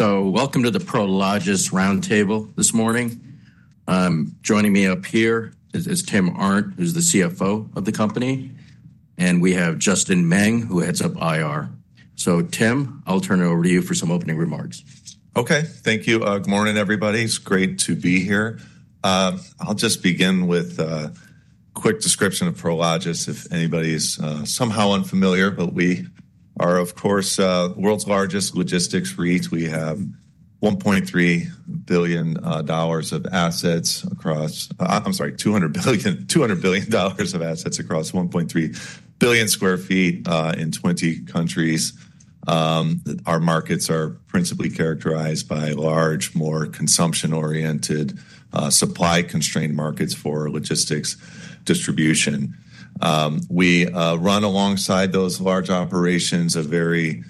Welcome to the Prologis Roundtable this morning. Joining me up here is Tim Arndt, who's the CFO of the company, and we have Justin Meng, who heads up IR. Tim, I'll turn it over to you for some opening remarks. Okay, thank you. Good morning, everybody. It's great to be here. I'll just begin with a quick description of Prologis if anybody's somehow unfamiliar, but we are, of course, the world's largest logistics REIT. We have $200 billion of assets across 1.3 billion square feet in 20 countries. Our markets are principally characterized by large, more consumption-oriented, supply-constrained markets for logistics distribution. We run alongside those large operations a very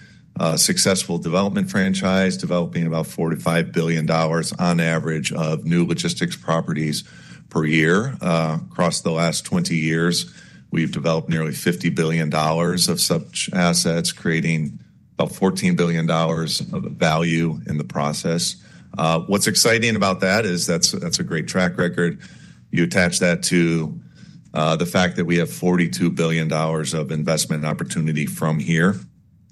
successful development franchise, developing about $4.5 billion on average of new logistics properties per year. Across the last 20 years, we've developed nearly $50 billion of such assets, creating about $14 billion of value in the process. What's exciting about that is that's a great track record. You attach that to the fact that we have $42 billion of investment opportunity from here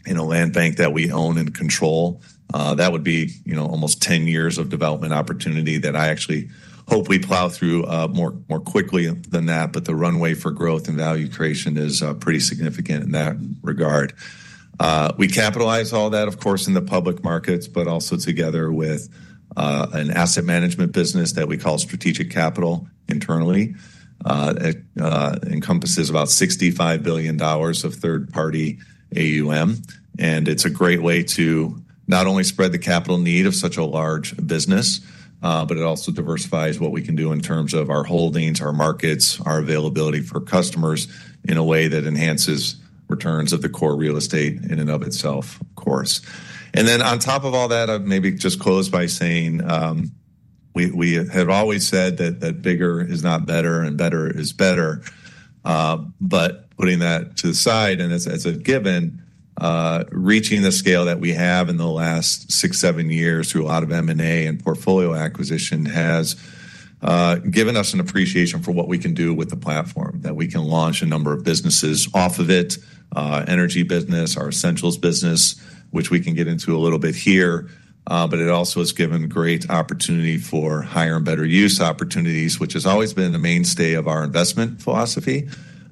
in a land bank that we own and control. That would be, you know, almost 10 years of development opportunity that I actually hope we plow through more quickly than that, but the runway for growth and value creation is pretty significant in that regard. We capitalize all that, of course, in the public markets, but also together with an asset management business that we call Strategic Capital internally. It encompasses about $65 billion of third-party AUM, and it's a great way to not only spread the capital need of such a large business, but it also diversifies what we can do in terms of our holdings, our markets, our availability for customers in a way that enhances returns of the core real estate in and of itself, of course. On top of all that, I'll maybe just close by saying, we have always said that bigger is not better and better is better. Putting that to the side and as a given, reaching the scale that we have in the last six, seven years through a lot of M&A and portfolio acquisition has given us an appreciation for what we can do with the platform, that we can launch a number of businesses off of it, energy business, our Essentials business, which we can get into a little bit here. It also has given great opportunity for higher and better use opportunities, which has always been the mainstay of our investment philosophy.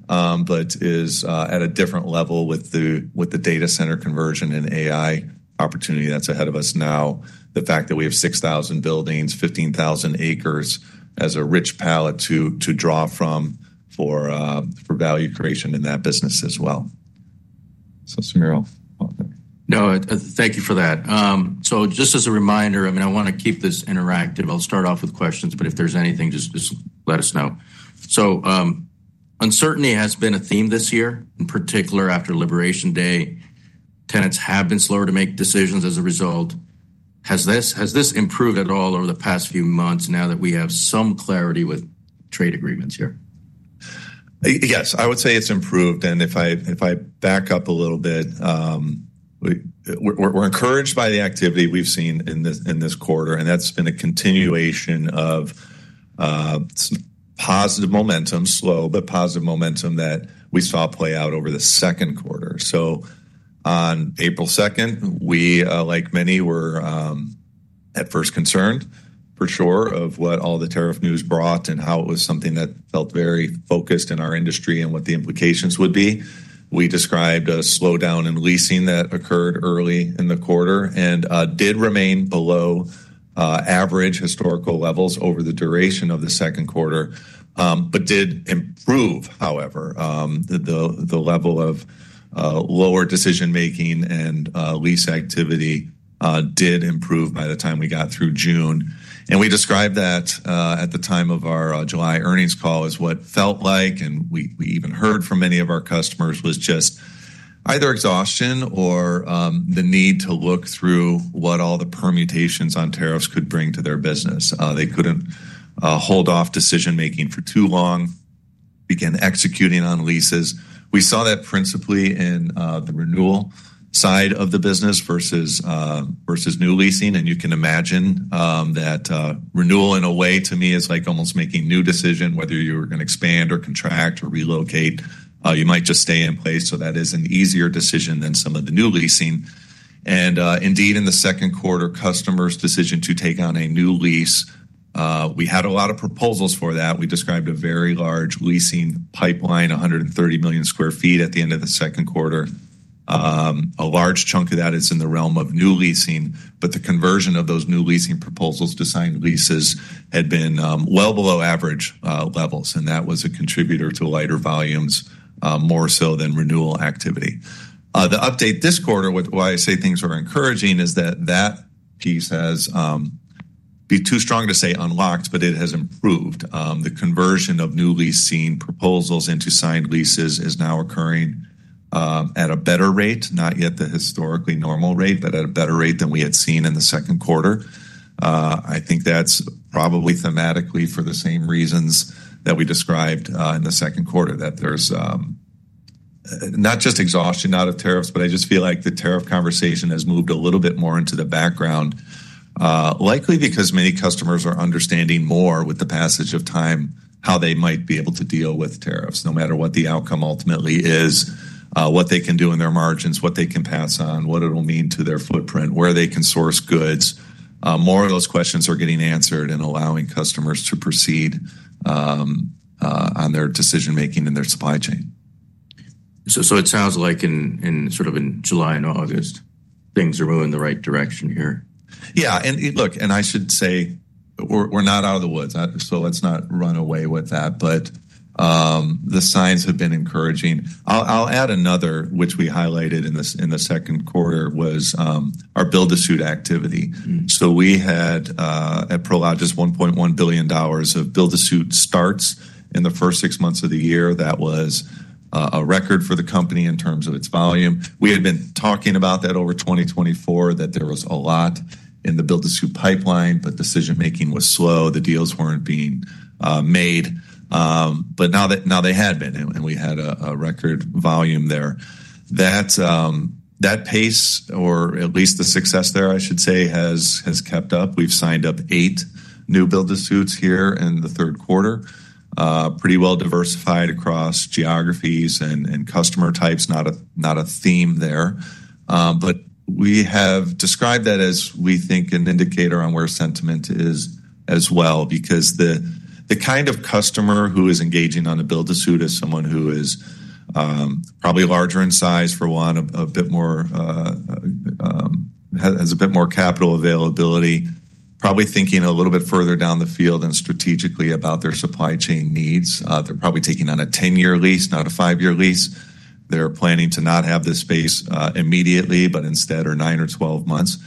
It is at a different level with the data center conversion and AI opportunity that's ahead of us now, the fact that we have 6,000 buildings, 15,000 acres as a rich palette to draw from for value creation in that business as well. So Sarah? No, thank you for that. Just as a reminder, I want to keep this interactive. I'll start off with questions, but if there's anything, just let us know. Uncertainty has been a theme this year, in particular after Liberation Day. Tenants have been slower to make decisions as a result. Has this improved at all over the past few months now that we have some clarity with trade agreements here? Yes, I would say it's improved. If I back up a little bit, we're encouraged by the activity we've seen in this quarter, and that's been a continuation of positive momentum, slow but positive momentum that we saw play out over the second quarter. On April 2nd, we, like many, were at first concerned for sure of what all the tariff news brought and how it was something that felt very focused in our industry and what the implications would be. We described a slowdown in leasing that occurred early in the quarter and did remain below average historical levels over the duration of the second quarter, but did improve, however. The level of lower decision-making and lease activity did improve by the time we got through June. We described that at the time of our July earnings call as what felt like, and we even heard from many of our customers, was just either exhaustion or the need to look through what all the permutations on tariffs could bring to their business. They couldn't hold off decision-making for too long, began executing on leases. We saw that principally in the renewal side of the business versus new leasing. You can imagine that renewal, in a way, to me, is like almost making a new decision whether you're going to expand or contract or relocate. You might just stay in place. That is an easier decision than some of the new leasing. Indeed, in the second quarter, customers' decision to take on a new lease, we had a lot of proposals for that. We described a very large leasing pipeline, 130 million square feet at the end of the second quarter. A large chunk of that is in the realm of new leasing, but the conversion of those new leasing proposals to signed leases had been well below average levels, and that was a contributor to lighter volumes, more so than renewal activity. The update this quarter, why I say things are encouraging, is that that piece has been too strong to say unlocked, but it has improved. The conversion of newly seen proposals into signed leases is now occurring at a better rate, not yet the historically normal rate, but at a better rate than we had seen in the second quarter. I think that's probably thematically for the same reasons that we described in the second quarter, that there's not just exhaustion out of tariffs, but I just feel like the tariff conversation has moved a little bit more into the background, likely because many customers are understanding more with the passage of time how they might be able to deal with tariffs, no matter what the outcome ultimately is, what they can do in their margins, what they can pass on, what it'll mean to their footprint, where they can source goods. More of those questions are getting answered and allowing customers to proceed on their decision-making in their supply chain. It sounds like in sort of July and August, things are going in the right direction here. Yeah, and look, I should say we're not out of the woods, so let's not run away with that, but the signs have been encouraging. I'll add another, which we highlighted in the second quarter, was our build-to-suit activity. We had at Prologis $1.1 billion of build-to-suit starts in the first six months of the year. That was a record for the company in terms of its volume. We had been talking about that over 2024, that there was a lot in the build-to-suit pipeline, but decision-making was slow. The deals weren't being made. Now they had been, and we had a record volume there. That pace, or at least the success there, I should say, has kept up. We've signed up eight new build-to-suits here in the third quarter, pretty well diversified across geographies and customer types, not a theme there. We have described that as we think an indicator on where sentiment is as well, because the kind of customer who is engaging on a build-to-suit is someone who is probably larger in size, for one, has a bit more capital availability, probably thinking a little bit further down the field and strategically about their supply chain needs. They're probably taking on a 10-year lease, not a five-year lease. They're planning to not have this space immediately, but instead are nine or 12 months.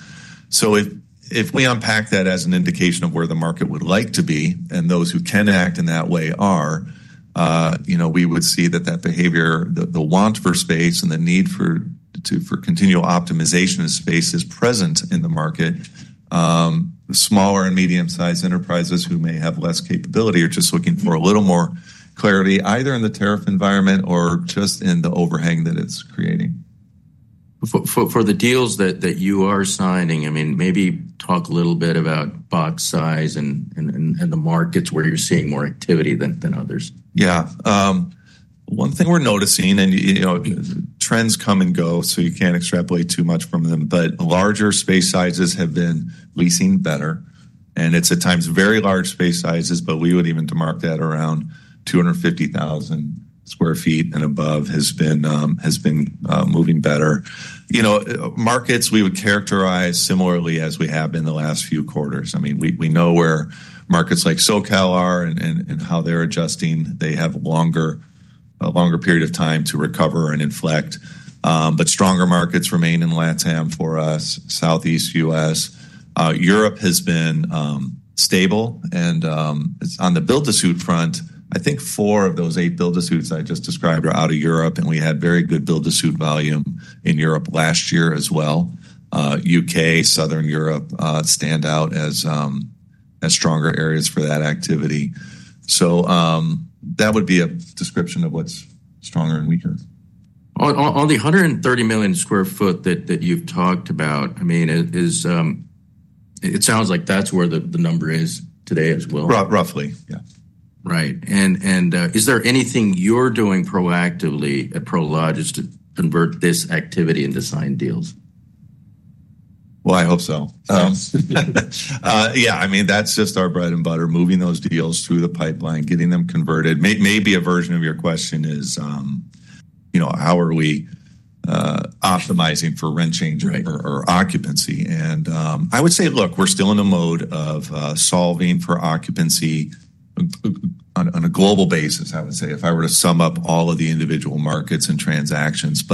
If we unpack that as an indication of where the market would like to be, and those who can act in that way are, you know, we would see that that behavior, the want for space and the need for continual optimization of space is present in the market. The smaller and medium-sized enterprises who may have less capability are just looking for a little more clarity, either in the tariff environment or just in the overhang that it's creating. For the deals that you are signing, maybe talk a little bit about box size and the markets where you're seeing more activity than others. Yeah, one thing we're noticing, and you know, trends come and go, so you can't extrapolate too much from them, but larger space sizes have been leasing better. It's at times very large space sizes, but we would even demark that around 250,000 square feet and above has been moving better. Markets we would characterize similarly as we have been the last few quarters. We know where markets like SoCal are and how they're adjusting. They have a longer period of time to recover and inflect. Stronger markets remain in LATAM for us, Southeast U.S. Europe has been stable. On the build-to-suit front, I think four of those eight build-to-suits I just described are out of Europe, and we had very good build-to-suit volume in Europe last year as well. UK, Southern Europe stand out as stronger areas for that activity. That would be a description of what's stronger and weaker. On the 130 million square foot that you've talked about, it sounds like that's where the number is today as well. Roughly, yeah. Is there anything you're doing proactively at Prologis to convert this activity into signed deals? I mean, that's just our bread and butter, moving those deals through the pipeline, getting them converted. Maybe a version of your question is, you know, how are we optimizing for rent change rate or occupancy? I would say, look, we're still in a mode of solving for occupancy on a global basis, if I were to sum up all of the individual markets and transactions.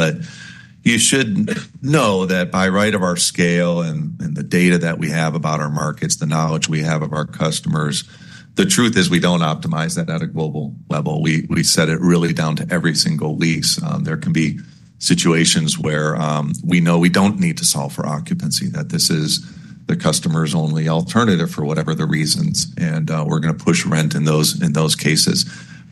You should know that by right of our scale and the data that we have about our markets, the knowledge we have of our customers, the truth is we don't optimize that at a global level. We set it really down to every single lease. There can be situations where we know we don't need to solve for occupancy, that this is the customer's only alternative for whatever the reasons, and we're going to push rent in those cases.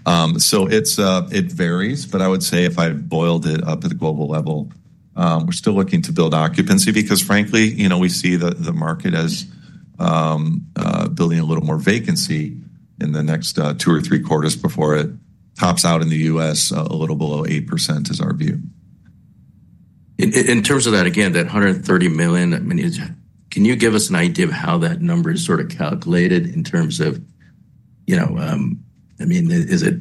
It varies, but I would say if I boiled it up at the global level, we're still looking to build occupancy because frankly, you know, we see the market as building a little more vacancy in the next two or three quarters before it tops out in the U.S. a little below 8% is our view. In terms of that $130 million, can you give us an idea of how that number is calculated in terms of, you know, is it,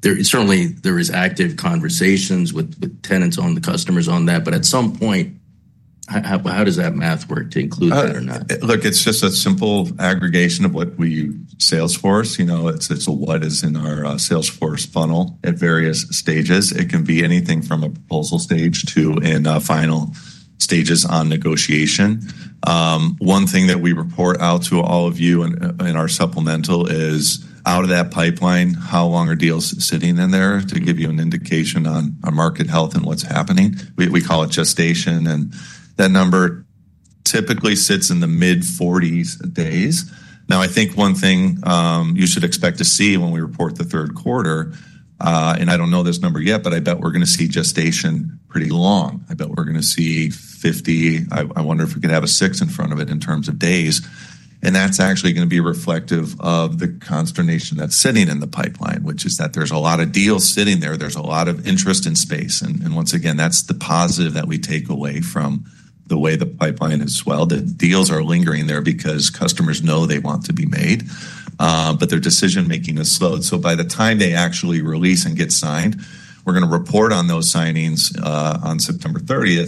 there is certainly active conversations with tenants or customers on that, but at some point, how does that math work to include that or not? Look, it's just a simple aggregation of what we use Salesforce. You know, it's what is in our Salesforce funnel at various stages. It can be anything from a proposal stage to in final stages on negotiation. One thing that we report out to all of you in our supplemental is out of that pipeline, how long are deals sitting in there to give you an indication on market health and what's happening. We call it gestation, and that number typically sits in the mid-40s days. Now, I think one thing you should expect to see when we report the third quarter, and I don't know this number yet, but I bet we're going to see gestation pretty long. I bet we're going to see 50. I wonder if we're going to have a six in front of it in terms of days. That's actually going to be reflective of the consternation that's sitting in the pipeline, which is that there's a lot of deals sitting there. There's a lot of interest in space. Once again, that's the positive that we take away from the way the pipeline is swelled. The deals are lingering there because customers know they want to be made, but their decision-making is slow. By the time they actually release and get signed, we're going to report on those signings on September 30,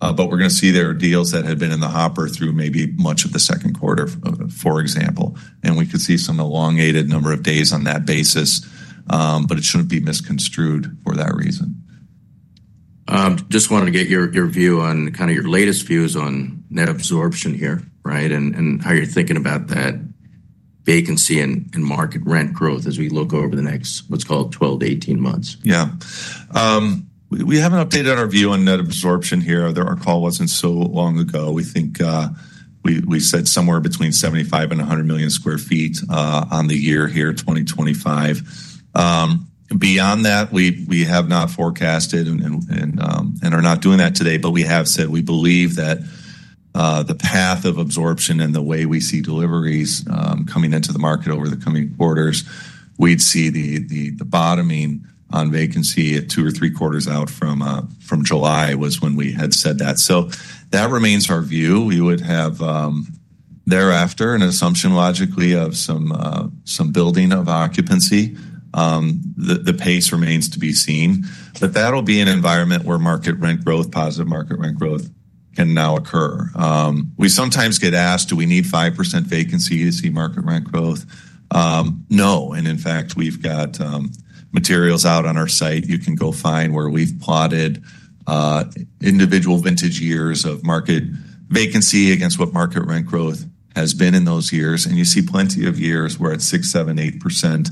but we're going to see there are deals that have been in the hopper through maybe much of the second quarter, for example. We could see some elongated number of days on that basis, but it shouldn't be misconstrued for that reason. Just wanted to get your view on kind of your latest views on net absorption here, right? How you're thinking about that vacancy and market rent growth as we look over the next, let's call it 12 to 18 months. Yeah. We haven't updated our view on net absorption here. Our call wasn't so long ago. We think we said somewhere between 75 and 100 million square feet on the year here, 2025. Beyond that, we have not forecasted and are not doing that today, but we have said we believe that the path of absorption and the way we see deliveries coming into the market over the coming quarters, we'd see the bottoming on vacancy at two or three quarters out from July was when we had said that. That remains our view. We would have thereafter an assumption logically of some building of occupancy. The pace remains to be seen. That'll be an environment where market rent growth, positive market rent growth can now occur. We sometimes get asked, do we need 5% vacancy to see market rent growth? No. In fact, we've got materials out on our site. You can go find where we've plotted individual vintage years of market vacancy against what market rent growth has been in those years. You see plenty of years where at 6%, 7%,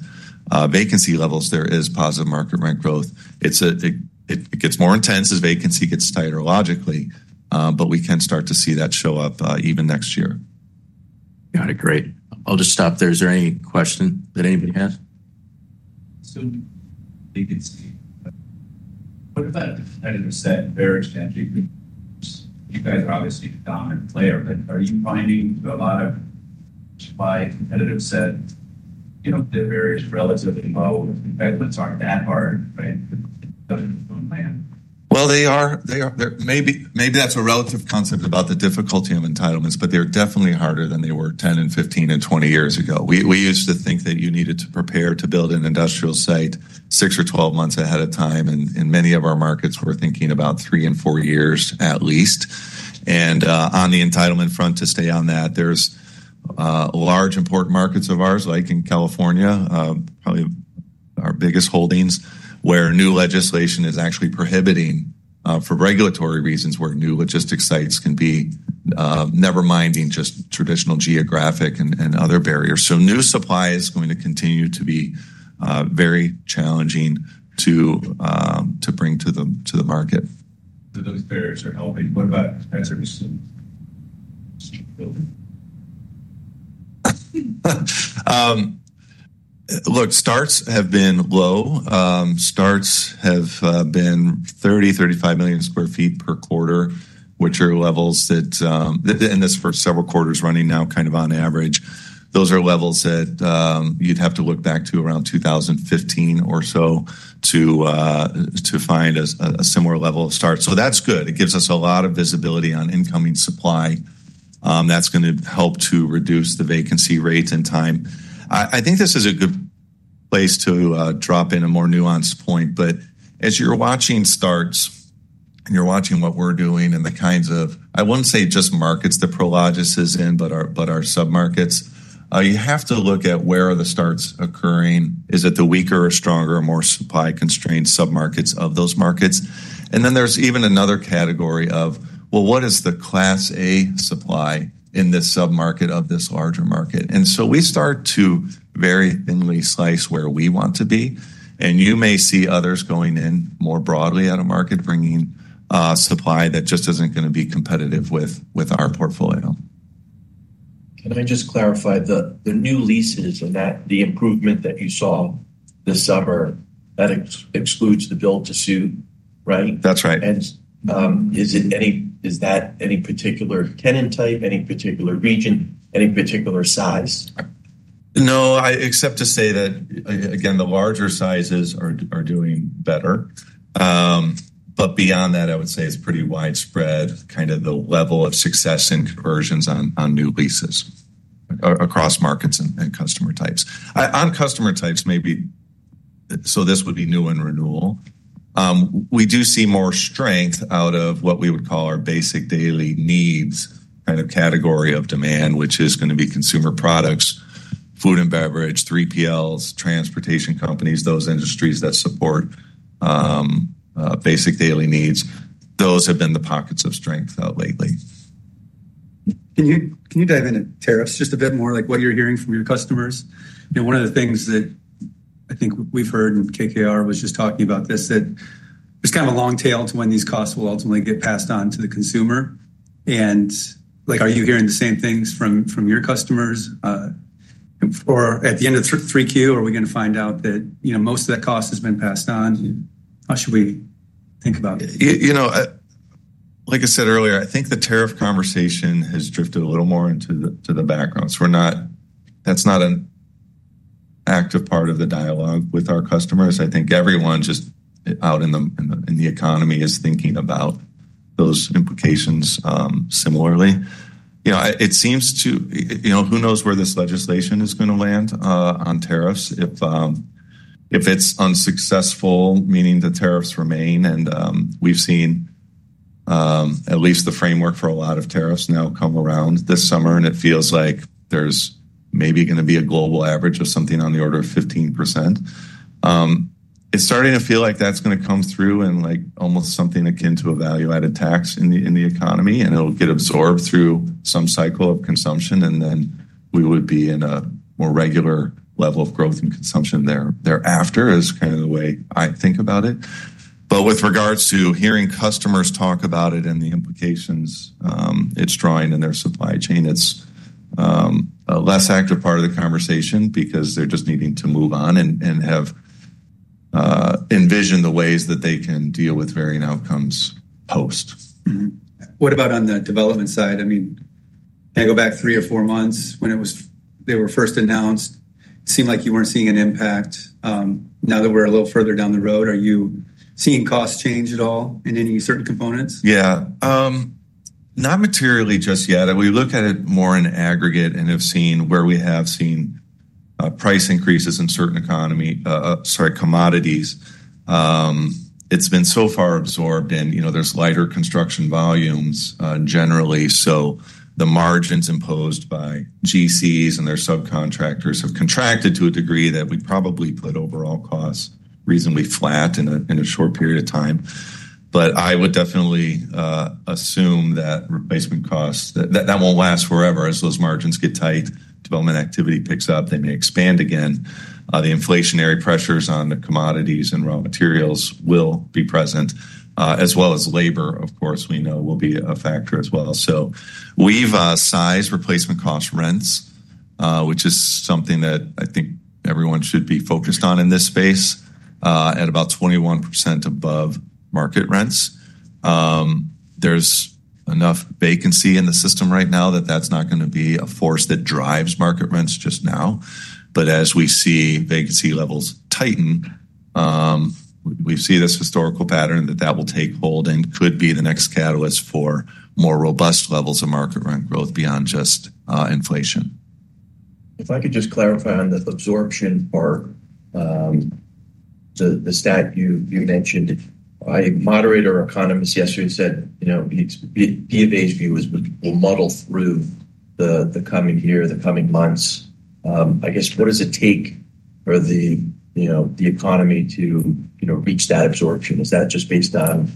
8% vacancy levels, there is positive market rent growth. It gets more intense as vacancy gets tighter logically, but we can start to see that show up even next year. Got it. Great. I'll just stop there. Is there any question that anybody has? We can see we're about to either say bearers can't be, that's obviously a common player, but are you finding a lot of to buy competitive set, you know, bearers relative to low? They are, maybe that's a relative concept about the difficulty of entitlements, but they're definitely harder than they were 10, 15, and 20 years ago. We used to think that you needed to prepare to build an industrial site six or 12 months ahead of time, and many of our markets were thinking about three and four years at least. On the entitlement front, to stay on that, there's large important markets of ours, like in California, probably our biggest holdings, where new legislation is actually prohibiting for regulatory reasons where new logistics sites can be, never minding just traditional geographic and other barriers. New supply is going to continue to be very challenging to bring to the market. Do those numbers help? What about as recent? Look, starts have been low. Starts have been 30, 35 million square feet per quarter, which are levels that, and this is for several quarters running now kind of on average, those are levels that you'd have to look back to around 2015 or so to find a similar level of start. That's good. It gives us a lot of visibility on incoming supply. That's going to help to reduce the vacancy rates in time. I think this is a good place to drop in a more nuanced point, but as you're watching starts and you're watching what we're doing and the kinds of, I wouldn't say just markets that Prologis is in, but our submarkets, you have to look at where are the starts occurring? Is it the weaker or stronger, more supply-constrained submarkets of those markets? There's even another category of, what is the class A supply in this submarket of this larger market? We start to very thinly slice where we want to be. You may see others going in more broadly at a market bringing a supply that just isn't going to be competitive with our portfolio. Let me just clarify the new leases and that the improvement that you saw this summer, that includes the build-to-suit, right? That's right. Is that any particular tenant type, any particular region, any particular size? No, except to say that again, the larger sizes are doing better. Beyond that, I would say it's pretty widespread, kind of the level of success and conversions on new leases across markets and customer types. On customer types, maybe, so this would be new and renewal. We do see more strength out of what we would call our basic daily needs kind of category of demand, which is going to be consumer products, food and beverage, 3PLs, transportation companies, those industries that support basic daily needs. Those have been the pockets of strength out lately. Can you dive into tariffs just a bit more, like what you're hearing from your customers? One of the things that I think we've heard, and KKR was just talking about this, is that it's kind of a long tail to when these costs will ultimately get passed on to the consumer. Are you hearing the same things from your customers? At the end of 3Q, are we going to find out that most of that cost has been passed on? How should we think about it? Like I said earlier, I think the tariff conversation has drifted a little more into the background. We're not, that's not an active part of the dialogue with our customers. I think everyone just out in the economy is thinking about those implications similarly. It seems to, who knows where this legislation is going to land on tariffs. If it's unsuccessful, meaning the tariffs remain, we've seen at least the framework for a lot of tariffs now come around this summer, and it feels like there's maybe going to be a global average of something on the order of 15%. It's starting to feel like that's going to come through in almost something akin to a value-added tax in the economy, and it'll get absorbed through some cycle of consumption, and then we would be in a more regular level of growth and consumption thereafter is kind of the way I think about it. With regards to hearing customers talk about it and the implications it's drawing in their supply chain, it's a less active part of the conversation because they're just needing to move on and have envisioned the ways that they can deal with varying outcomes post. What about on the development side? I mean, I go back three or four months when it was, they were first announced. It seemed like you weren't seeing an impact. Now that we're a little further down the road, are you seeing cost change at all in any certain components? Yeah, not materially just yet. We look at it more in aggregate and have seen where we have seen price increases in certain commodities. It's been so far absorbed and, you know, there's lighter construction volumes generally. The margins imposed by GCs and their subcontractors have contracted to a degree that we probably put overall costs reasonably flat in a short period of time. I would definitely assume that replacement costs, that won't last forever as those margins get tight, development activity picks up, they may expand again. The inflationary pressures on the commodities and raw materials will be present, as well as labor, of course, we know will be a factor as well. We've sized replacement cost rents, which is something that I think everyone should be focused on in this space, at about 21% above market rents. There's enough vacancy in the system right now that that's not going to be a force that drives market rents just now. As we see vacancy levels tighten, we see this historical pattern that that will take hold and could be the next catalyst for more robust levels of market rent growth beyond just inflation. If I could just clarify on the absorption part, the stat you mentioned, a moderator or economist yesterday said it's the debate view is we'll muddle through the coming year, the coming months. I guess what does it take for the economy to reach that absorption? Is that just based on?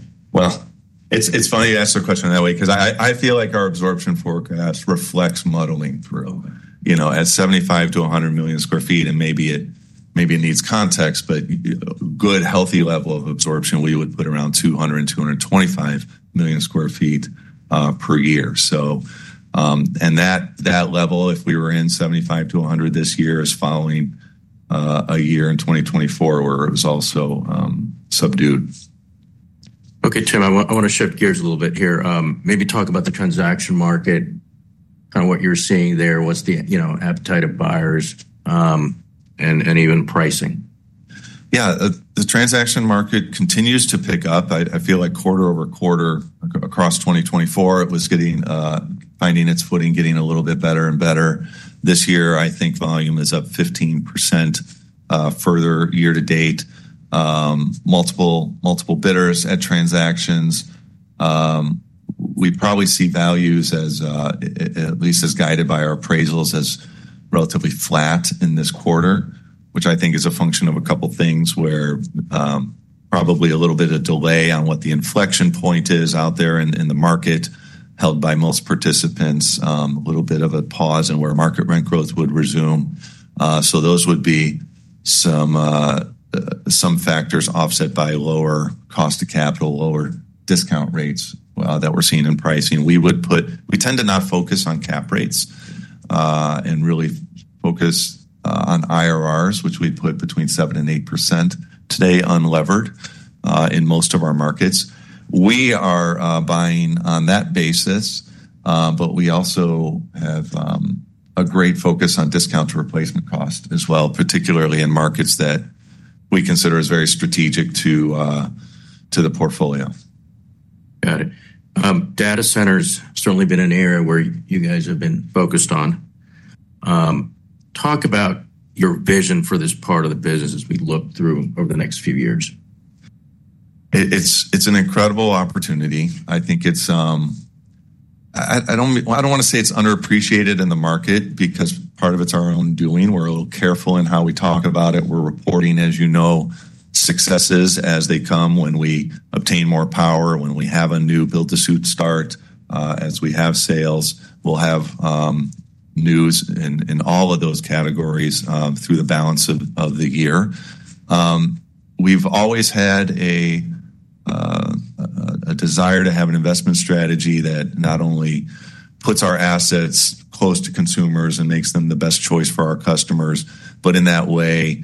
It's funny you asked the question that way because I feel like our absorption forecast reflects muddling through. You know, at 75 to 100 million square feet, and maybe in these contexts, but a good healthy level of absorption, we would put around 200 to 225 million square feet per year. At that level, if we were in 75 to 100 this year, it is following a year in 2024 where it was also subdued. Okay, Tim, I want to shift gears a little bit here. Maybe talk about the transaction market, kind of what you're seeing there, what's the appetite of buyers, and even pricing. Yeah, the transaction market continues to pick up. I feel like quarter over quarter across 2024, it was getting, finding its footing, getting a little bit better and better. This year, I think volume is up 15% further year to date. Multiple bidders at transactions. We probably see values as, at least as guided by our appraisals, as relatively flat in this quarter, which I think is a function of a couple of things where probably a little bit of delay on what the inflection point is out there in the market held by most participants, a little bit of a pause in where market rent growth would resume. Those would be some factors offset by lower cost of capital, lower discount rates that we're seeing in pricing. We tend to not focus on cap rates and really focus on IRRs, which we put between 7% and 8% today unlevered in most of our markets. We are buying on that basis, but we also have a great focus on discount to replacement cost as well, particularly in markets that we consider as very strategic to the portfolio. Got it. Data centers have certainly been an area where you guys have been focused on. Talk about your vision for this part of the business as we look through over the next few years. It's an incredible opportunity. I think it's, I don't want to say it's underappreciated in the market because part of it's our own doing. We're a little careful in how we talk about it. We're reporting, as you know, successes as they come when we obtain more power, when we have a new build-to-suit start, as we have sales, we'll have news in all of those categories through the balance of the year. We've always had a desire to have an investment strategy that not only puts our assets close to consumers and makes them the best choice for our customers, but in that way,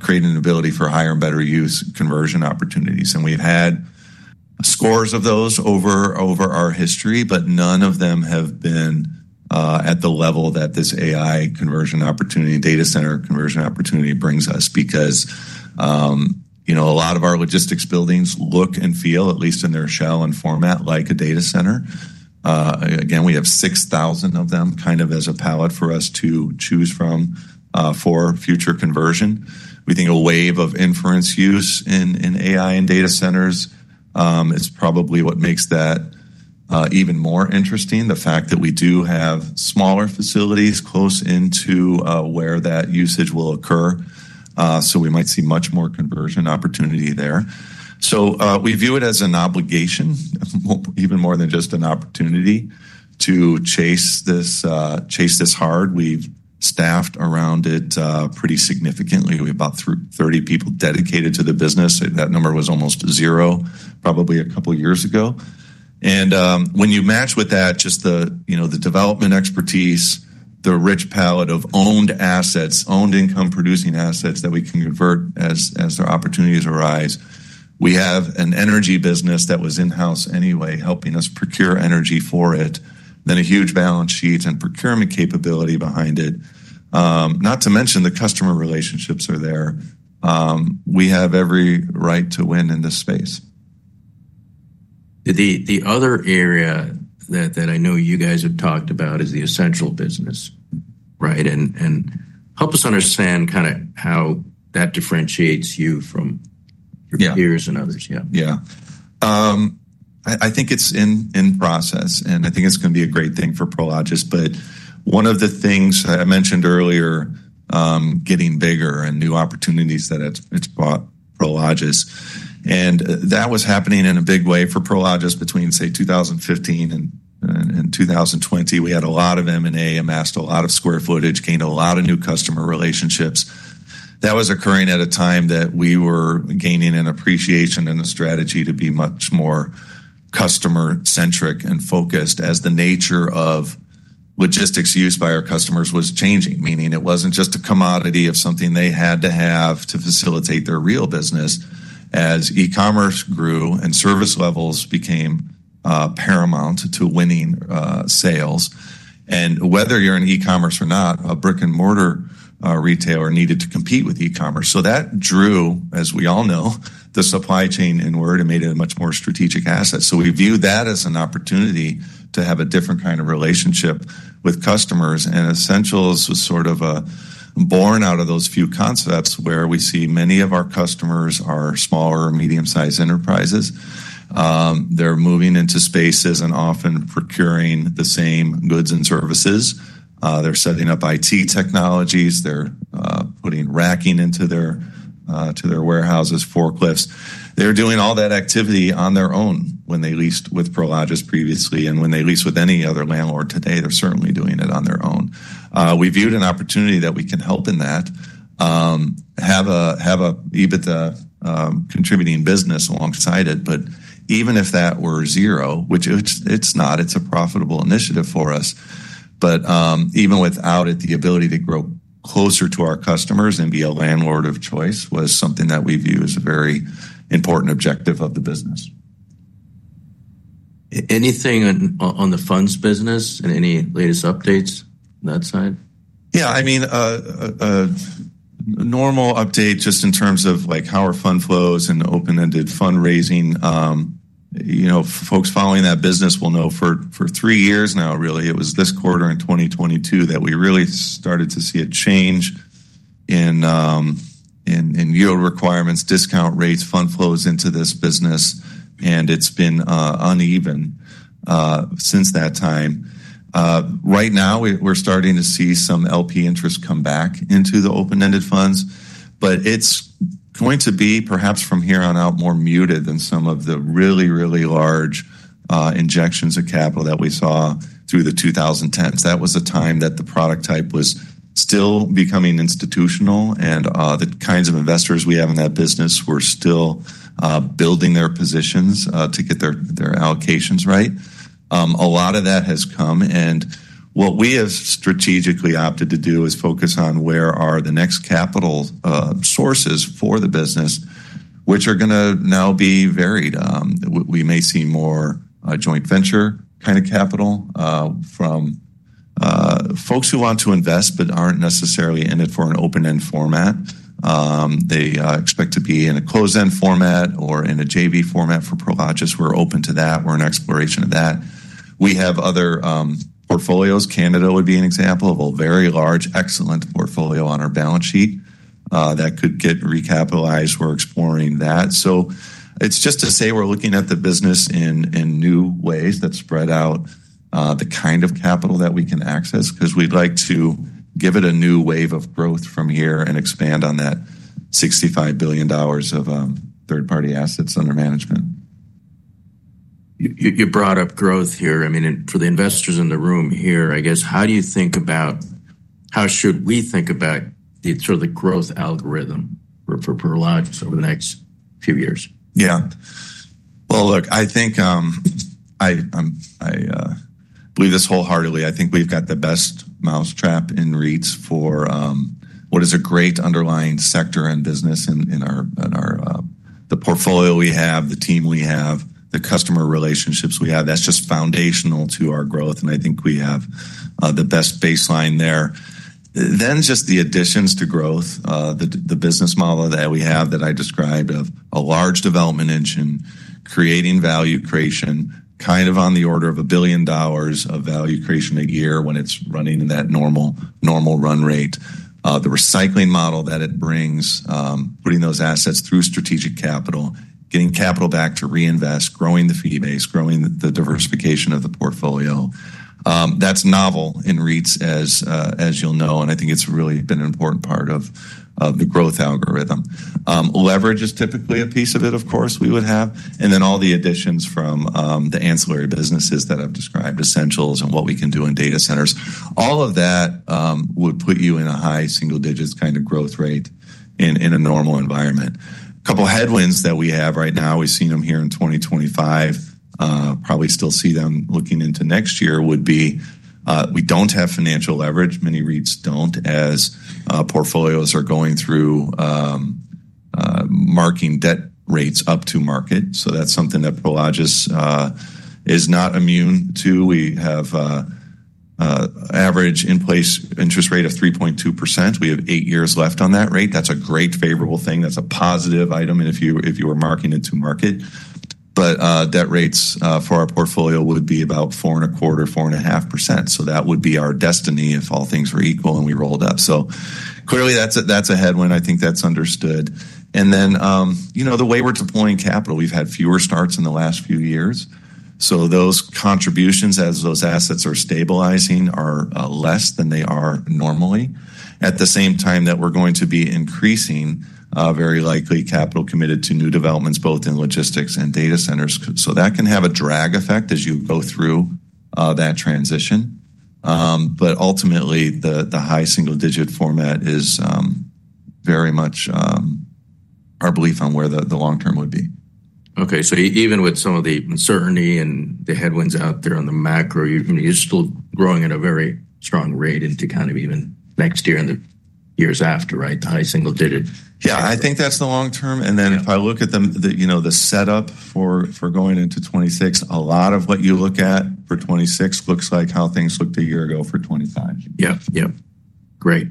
create an ability for higher and better use conversion opportunities. We've had scores of those over our history, but none of them have been at the level that this AI conversion opportunity, data center conversion opportunity brings us because, you know, a lot of our logistics buildings look and feel, at least in their shell and format, like a data center. We have 6,000 of them kind of as a palette for us to choose from for future conversion. We think a wave of inference use in AI and data centers is probably what makes that even more interesting, the fact that we do have smaller facilities close into where that usage will occur. We might see much more conversion opportunity there. We view it as an obligation, even more than just an opportunity to chase this hard. We've staffed around it pretty significantly. We have about 30 people dedicated to the business. That number was almost zero probably a couple of years ago. When you match with that, just the development expertise, the rich palette of owned assets, owned income-producing assets that we can convert as their opportunities arise. We have an energy business that was in-house anyway, helping us procure energy for it. A huge balance sheet and procurement capability behind it. Not to mention the customer relationships are there. We have every right to win in this space. The other area that I know you guys have talked about is the Essentials business, right? Help us understand kind of how that differentiates you from your peers and others. Yeah, I think it's in process, and I think it's going to be a great thing for Prologis. One of the things that I mentioned earlier, getting bigger and new opportunities that it's brought Prologis. That was happening in a big way for Prologis between, say, 2015 and 2020. We had a lot of M&A, amassed a lot of square footage, gained a lot of new customer relationships. That was occurring at a time that we were gaining an appreciation and a strategy to be much more customer-centric and focused as the nature of logistics used by our customers was changing, meaning it wasn't just a commodity of something they had to have to facilitate their real business. As e-commerce grew and service levels became paramount to winning sales, and whether you're in e-commerce or not, a brick-and-mortar retailer needed to compete with e-commerce. That drew, as we all know, the supply chain inward and made it a much more strategic asset. We viewed that as an opportunity to have a different kind of relationship with customers. Essentials was sort of born out of those few concepts where we see many of our customers are smaller or medium-sized enterprises. They're moving into spaces and often procuring the same goods and services. They're setting up IT technologies. They're putting racking into their warehouses, forklifts. They're doing all that activity on their own when they leased with Prologis previously. When they lease with any other landlord today, they're certainly doing it on their own. We viewed an opportunity that we can help in that, have an EBITDA contributing business alongside it. Even if that were zero, which it's not, it's a profitable initiative for us. Even without it, the ability to grow closer to our customers and be a landlord of choice was something that we view as a very important objective of the business. Anything on the funds business and any latest updates on that side? Yeah, I mean, a normal update just in terms of how our fund flows and open-ended fundraising. Folks following that business will know for three years now, really, it was this quarter in 2022 that we really started to see a change in yield requirements, discount rates, fund flows into this business. It's been uneven since that time. Right now, we're starting to see some LP interest come back into the open-ended funds. It's going to be perhaps from here on out more muted than some of the really, really large injections of capital that we saw through the 2010s. That was a time that the product type was still becoming institutional, and the kinds of investors we have in that business were still building their positions to get their allocations right. A lot of that has come. What we have strategically opted to do is focus on where are the next capital sources for the business, which are going to now be varied. We may see more joint venture kind of capital from folks who want to invest but aren't necessarily in it for an open-end format. They expect to be in a closed-end format or in a JV format for Prologis. We're open to that. We're in exploration of that. We have other portfolios. Canada would be an example of a very large, excellent portfolio on our balance sheet that could get recapitalized. We're exploring that. It's just to say we're looking at the business in new ways that spread out the kind of capital that we can access because we'd like to give it a new wave of growth from here and expand on that $65 billion of third-party assets under management. You brought up growth here. For the investors in the room here, I guess how do you think about how should we think about the sort of the growth algorithm for Prologis over the next few years? I think I believe this wholeheartedly, I think we've got the best mousetrap in REITs for what is a great underlying sector and business in our portfolio we have, the team we have, the customer relationships we have. That's just foundational to our growth. I think we have the best baseline there. Then just the additions to growth, the business model that we have that I described of a large development engine creating value creation, kind of on the order of $1 billion of value creation a year when it's running in that normal run rate. The recycling model that it brings, putting those assets through Strategic Capital, getting capital back to reinvest, growing the fee base, growing the diversification of the portfolio. That's novel in REITs as you'll know. I think it's really been an important part of the growth algorithm. Leverage is typically a piece of it, of course, we would have. Then all the additions from the ancillary businesses that I've described, Essentials and what we can do in data centers. All of that would put you in a high single-digit kind of growth rate in a normal environment. A couple of headwinds that we have right now, we've seen them here in 2025. Probably still see them looking into next year would be we don't have financial leverage. Many REITs don't as portfolios are going through marking debt rates up to market. That's something that Prologis is not immune to. We have an average in-place interest rate of 3.2%. We have eight years left on that rate. That's a great favorable thing. That's a positive item if you were marking it to market. Debt rates for our portfolio would be about 4.25%, 4.5%. That would be our destiny if all things were equal and we rolled up. Clearly, that's a headwind. I think that's understood. The way we're deploying capital, we've had fewer starts in the last few years. Those contributions, as those assets are stabilizing, are less than they are normally. At the same time that we're going to be increasing, very likely capital committed to new developments, both in logistics and data centers. That can have a drag effect as you go through that transition. Ultimately, the high single-digit format is very much our belief on where the long term would be. Okay, even with some of the uncertainty and the headwinds out there on the macro, you're still growing at a very strong rate into kind of even next year and the years after, right? The high single digit. Yeah, I think that's the long term. If I look at the setup for going into 2026, a lot of what you look at for 2026 looks like how things looked a year ago for 2025. Yeah, great.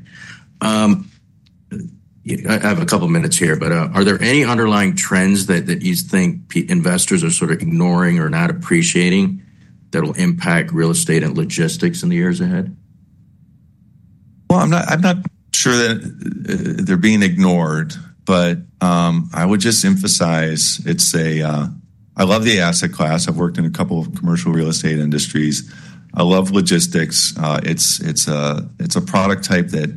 I have a couple of minutes here, but are there any underlying trends that you think investors are sort of ignoring or not appreciating that will impact real estate and logistics in the years ahead? I'm not sure that they're being ignored, but I would just emphasize it's a, I love the asset class. I've worked in a couple of commercial real estate industries. I love logistics. It's a product type that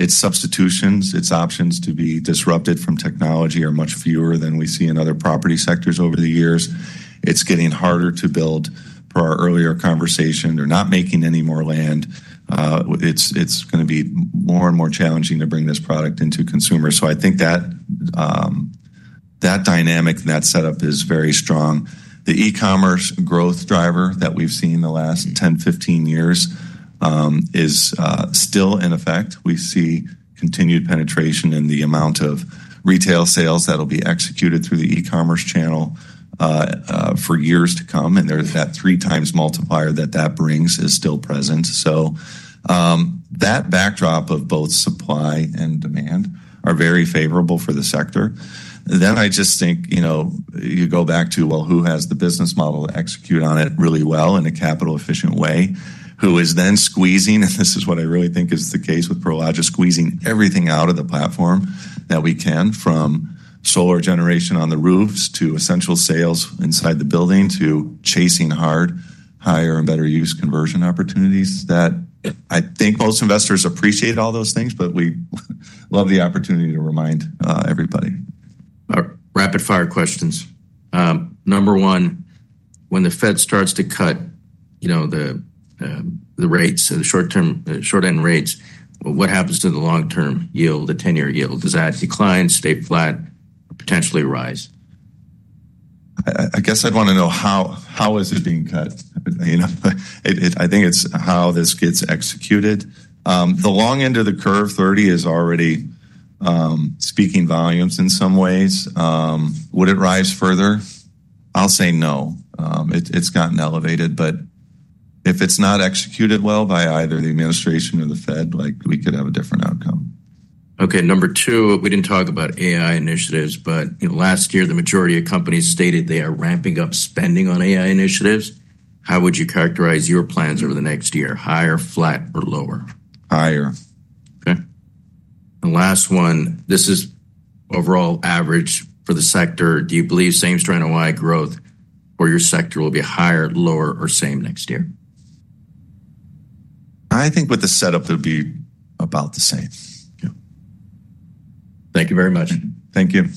its substitutions, its options to be disrupted from technology are much fewer than we see in other property sectors over the years. It's getting harder to build. From our earlier conversation, they're not making any more land. It's going to be more and more challenging to bring this product into consumers. I think that dynamic and that setup is very strong. The e-commerce growth driver that we've seen the last 10, 15 years is still in effect. We see continued penetration in the amount of retail sales that'll be executed through the e-commerce channel for years to come. There's that three times multiplier that that brings is still present. That backdrop of both supply and demand are very favorable for the sector. I just think, you know, you go back to, who has the business model to execute on it really well in a capital-efficient way? Who is then squeezing, and this is what I really think is the case with Prologis, squeezing everything out of the platform that we can, from solar generation on the roofs to essential sales inside the building to chasing hard higher and better use conversion opportunities. I think most investors appreciate all those things, but we love the opportunity to remind everybody. Rapid-fire questions. Number one, when the Fed starts to cut, you know, the rates and the short-end rates, what happens to the long-term yield, the 10-year yield? Does that decline, stay flat, potentially rise? I guess I'd want to know how is it being cut? I think it's how this gets executed. The long end of the curve, 30, is already speaking volumes in some ways. Would it rise further? I'll say no. It's gotten elevated, but if it's not executed well by either the administration or the Fed, we could have a different outcome. Okay, number two, we didn't talk about AI initiatives, but last year the majority of companies stated they are ramping up spending on AI initiatives. How would you characterize your plans over the next year? Higher, flat, or lower? Higher. Okay. Last one, this is overall average for the sector. Do you believe same strength and why growth for your sector will be higher, lower, or same next year? I think with the setup, it'll be about the same. Thank you very much. Thank. Started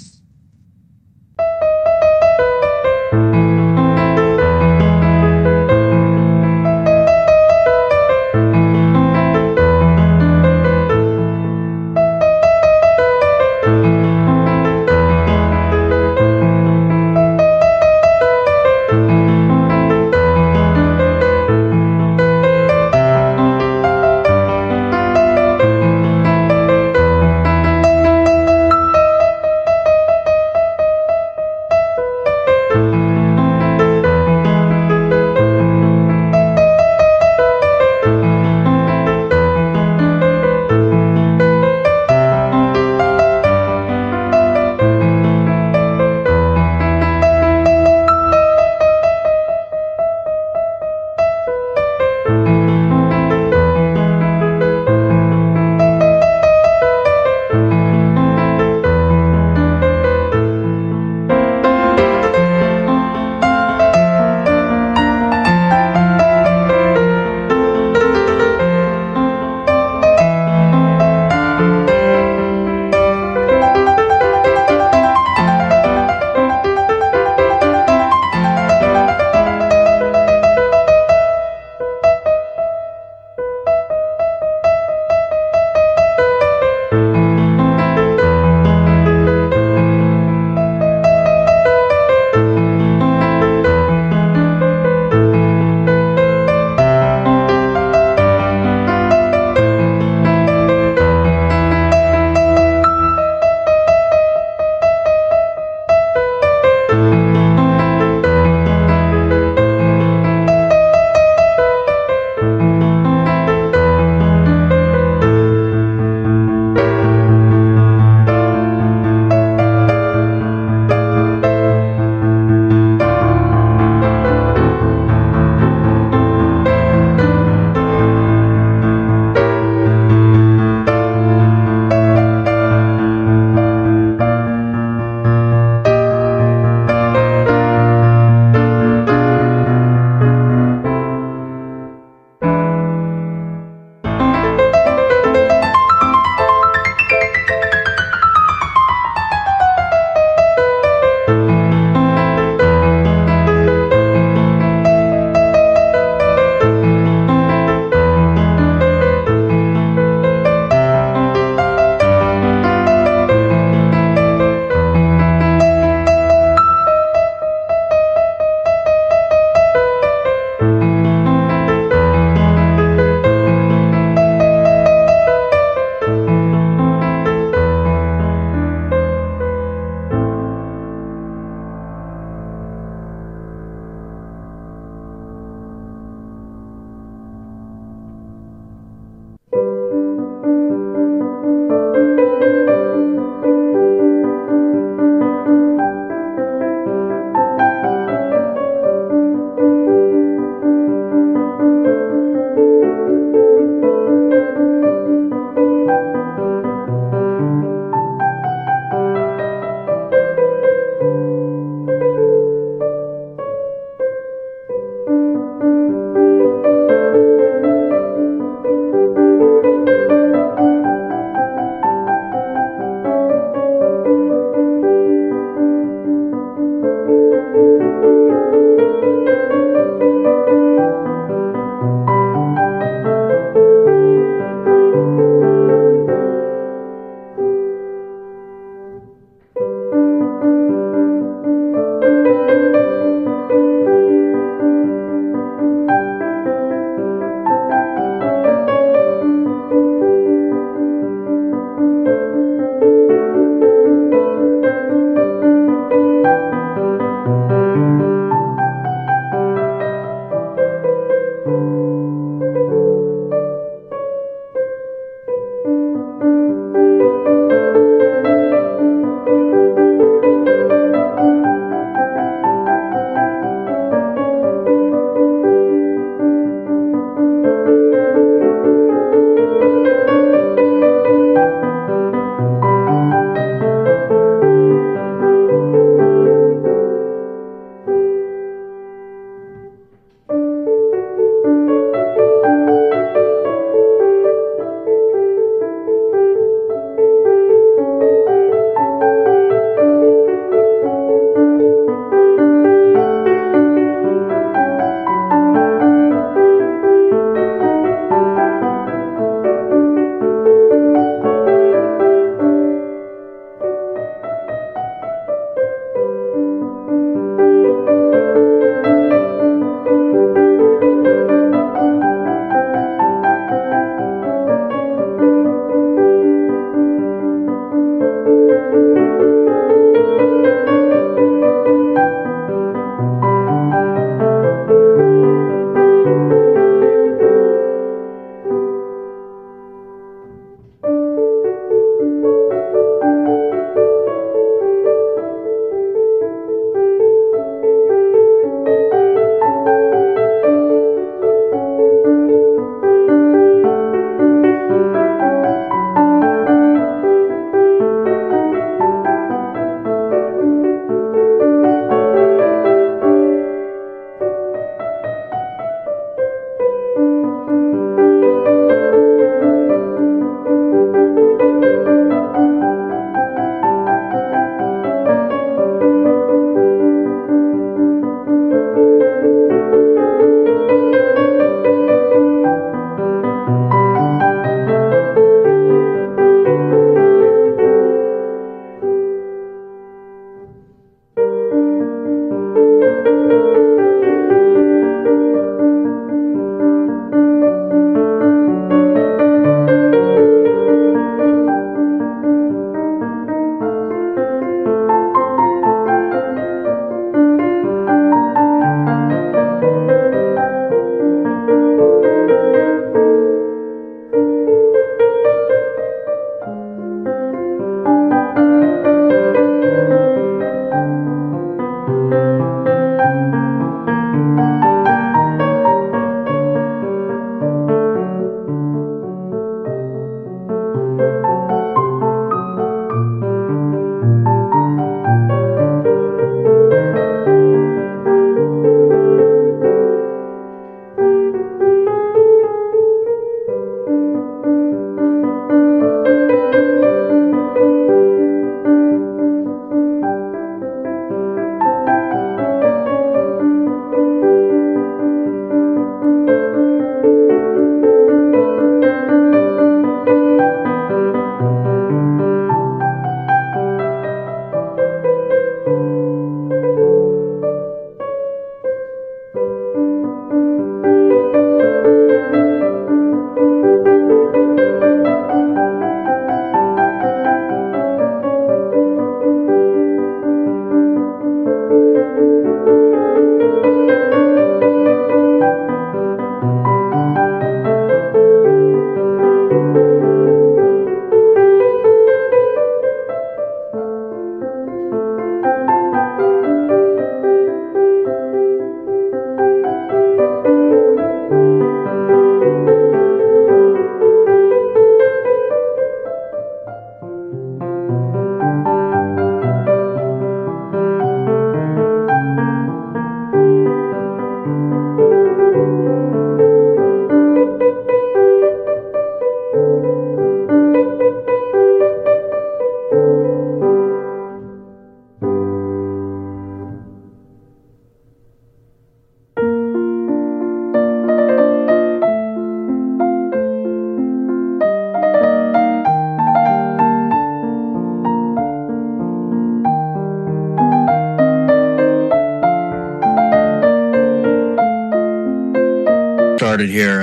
here.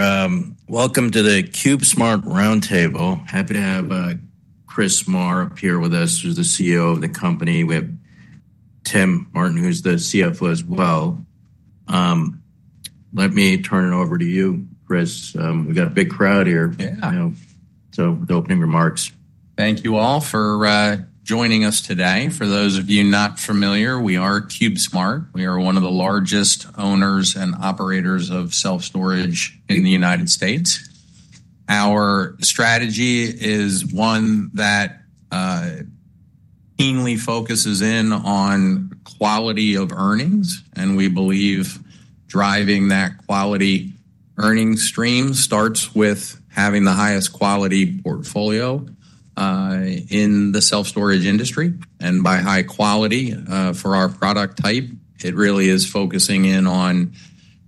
Welcome to the Prologis Roundtable. Happy to have Tim Arndt up here with us, who's the CFO of the company. We have Justin Meng, who's the Head of Investor Relations as well. Let me turn it over to you, Tim. We've got a big crowd here. Yeah, with opening remarks. Thank you all for joining us today. For those of you not familiar, we are Prologis. We are one of the largest owners and operators of logistics real estate in the U.S. Our strategy is one that keenly focuses in on quality of earnings, and we believe driving that quality earning stream starts with having the highest quality portfolio in the logistics real estate industry. By high quality for our product type, it really is focusing in on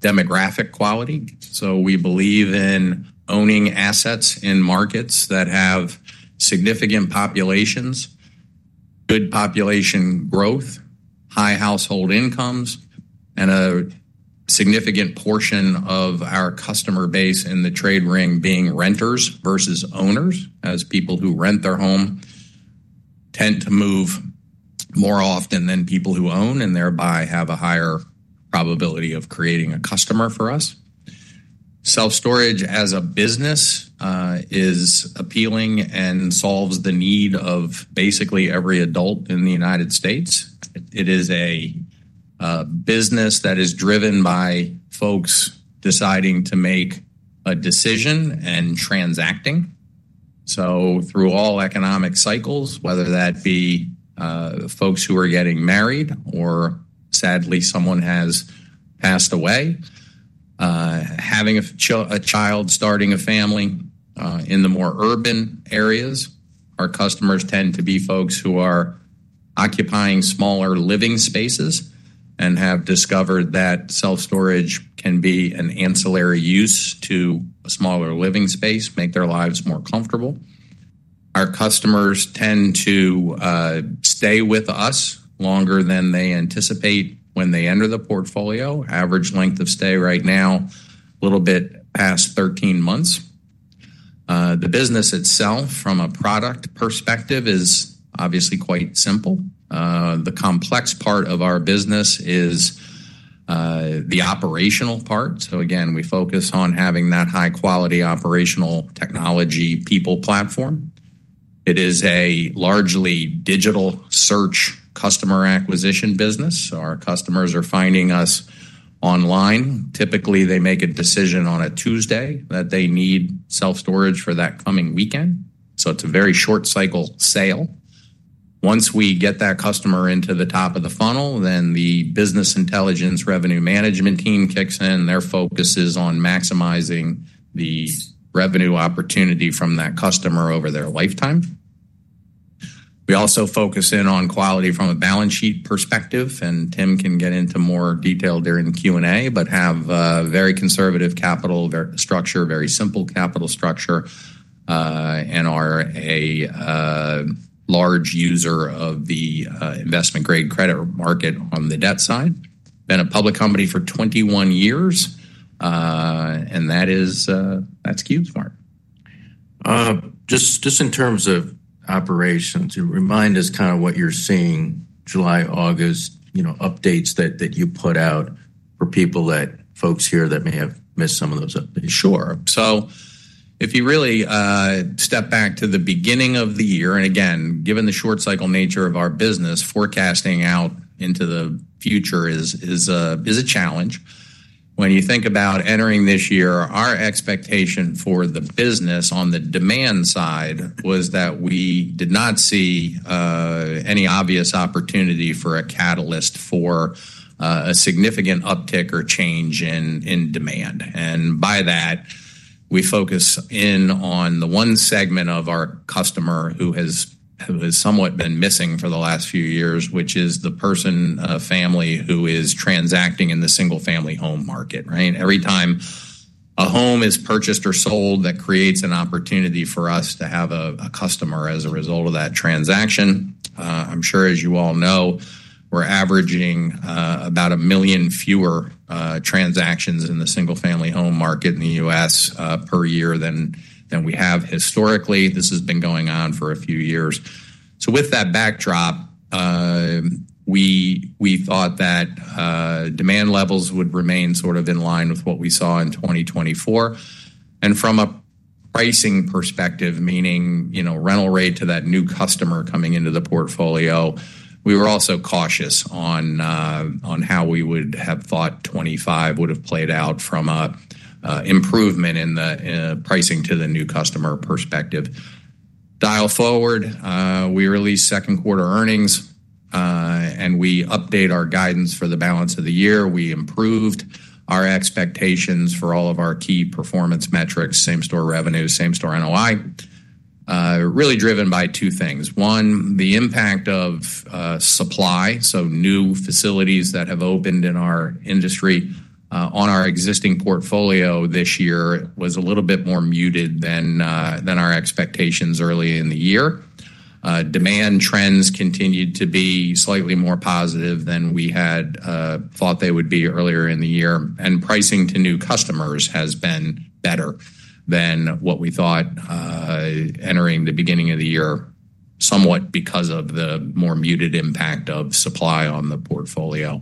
demographic quality. We believe in owning assets in markets that have significant populations, good population growth, high household incomes, and a significant portion of our customer base in the trade ring being renters versus owners, as people who rent their home tend to move more often than people who own and thereby have a higher probability of creating a customer for us. Logistics real estate as a business is appealing and solves the need of basically every adult in the U.S. It is a business that is driven by folks deciding to make a decision and transacting. Through all economic cycles, whether that be folks who are getting married or sadly someone has passed away, having a child, starting a family in the more urban areas, our customers tend to be folks who are occupying smaller living spaces and have discovered that logistics real estate can be an ancillary use to a smaller living space, make their lives more comfortable. Our customers tend to stay with us longer than they anticipate when they enter the portfolio. Average length of stay right now, a little bit past 13 months. The business itself, from a product perspective, is obviously quite simple. The complex part of our business is the operational part. We focus on having that high-quality operational technology people platform. It is a largely digital search customer acquisition business. Our customers are finding us online. Typically, they make a decision on a Tuesday that they need logistics real estate for that coming weekend. It is a very short cycle sale. Once we get that customer into the top of the funnel, then the business intelligence revenue management team kicks in. Their focus is on maximizing the revenue opportunity from that customer over their lifetime. We also focus in on quality from a balance sheet perspective, and Tim can get into more detail during Q&A, but have a very conservative capital structure, very simple capital structure, and are a large user of the investment-grade credit market on the debt side. Been a public company for 21 years, and that is Prologis. Just in terms of operations, remind us kind of what you're seeing July, August, updates that you put out for people that folks here that may have missed some of those updates. Sure. If you really step back to the beginning of the year, and again, given the short cycle nature of our business, forecasting out into the future is a challenge. When you think about entering this year, our expectation for the business on the demand side was that we did not see any obvious opportunity for a catalyst for a significant uptick or change in demand. By that, we focus in on the one segment of our customer who has somewhat been missing for the last few years, which is the person, a family who is transacting in the single-family home market. Every time a home is purchased or sold, that creates an opportunity for us to have a customer as a result of that transaction. I'm sure, as you all know, we're averaging about a million fewer transactions in the single-family home market in the U.S. per year than we have historically. This has been going on for a few years. With that backdrop, we thought that demand levels would remain sort of in line with what we saw in 2024. From a pricing perspective, meaning, you know, rental rate to that new customer coming into the portfolio, we were also cautious on how we would have thought 2025 would have played out from an improvement in the pricing to the new customer perspective. Dial forward, we released second quarter earnings, and we update our guidance for the balance of the year. We improved our expectations for all of our key performance metrics, same-store revenue, same-store NOI, really driven by two things. One, the impact of supply, so new facilities that have opened in our industry on our existing portfolio this year was a little bit more muted than our expectations early in the year. Demand trends continued to be slightly more positive than we had thought they would be earlier in the year, and pricing to new customers has been better than what we thought entering the beginning of the year, somewhat because of the more muted impact of supply on the portfolio.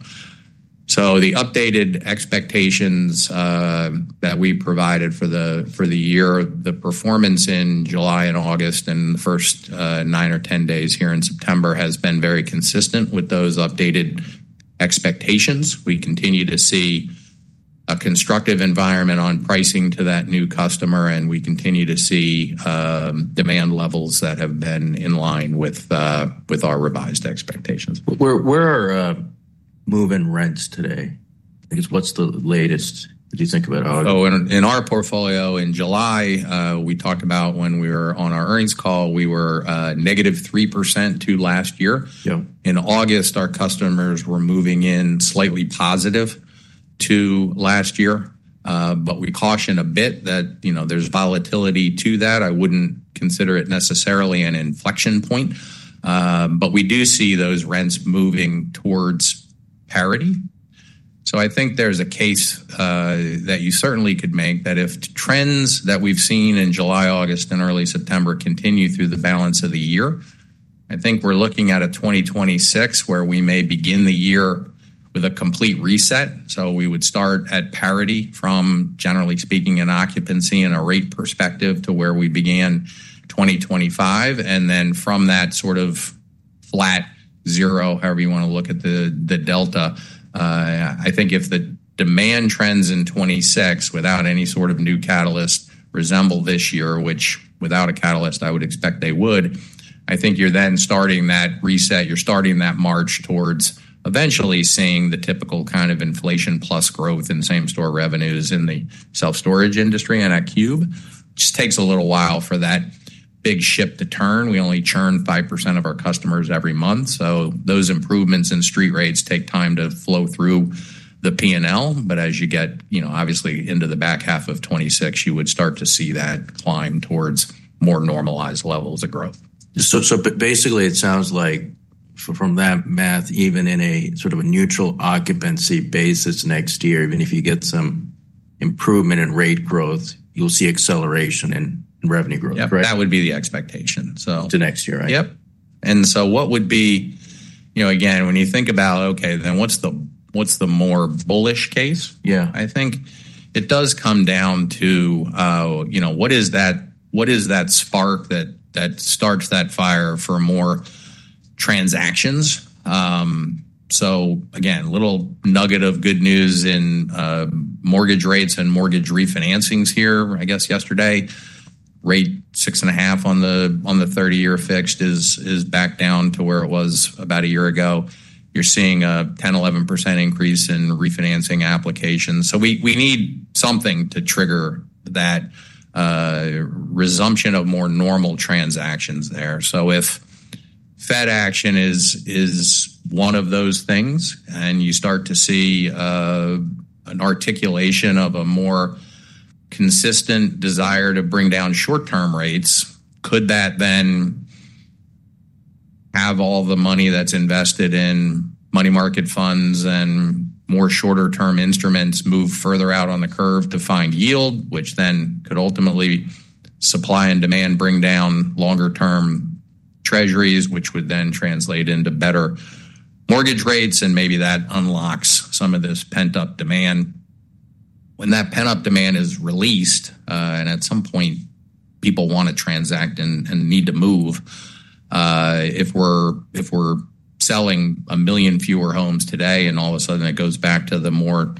The updated expectations that we provided for the year, the performance in July and August and the first nine or ten days here in September has been very consistent with those updated expectations. We continue to see a constructive environment on pricing to that new customer, and we continue to see demand levels that have been in line with our revised expectations. Where are moving rents today? I guess, what's the latest? What do you think about? Oh, in our portfolio in July, we talked about when we were on our earnings call, we were negative 3% to last year. In August, our customers were moving in slightly positive to last year, but we caution a bit that, you know, there's volatility to that. I wouldn't consider it necessarily an inflection point, but we do see those rents moving towards parity. I think there's a case that you certainly could make that if trends that we've seen in July, August, and early September continue through the balance of the year, I think we're looking at a 2026 where we may begin the year with a complete reset. We would start at parity from, generally speaking, an occupancy and a rate perspective to where we began 2025. From that sort of flat zero, however you want to look at the delta, I think if the demand trends in 2026 without any sort of new catalyst resemble this year, which without a catalyst I would expect they would, I think you're then starting that reset. You're starting that march towards eventually seeing the typical kind of inflation plus growth in same-store revenues in the logistics REIT industry and at Prologis. It just takes a little while for that big ship to turn. We only churn 5% of our customers every month. Those improvements in street rates take time to flow through the P&L. As you get, obviously, into the back half of 2026, you would start to see that climb towards more normalized levels of growth. It sounds like from that math, even in a sort of a neutral occupancy basis next year, even if you get some improvement in rent growth, you'll see acceleration in revenue growth. Yeah, that would be the expectation. To next year, right? What would be, you know, again, when you think about, okay, then what's the more bullish case? Yeah. I think it does come down to what is that spark that starts that fire for more transactions? Again, a little nugget of good news in mortgage rates and mortgage refinancings here. I guess yesterday, rate 6.5% on the 30-year fixed is back down to where it was about a year ago. You're seeing a 10% or 11% increase in refinancing applications. We need something to trigger that resumption of more normal transactions there. If Fed action is one of those things and you start to see an articulation of a more consistent desire to bring down short-term rates, could that then have all the money that's invested in money market funds and more shorter-term instruments move further out on the curve to find yield, which then could ultimately supply and demand bring down longer-term treasuries, which would then translate into better mortgage rates? Maybe that unlocks some of this pent-up demand. When that pent-up demand is released, and at some point people want to transact and need to move, if we're selling a million fewer homes today and all of a sudden it goes back to the more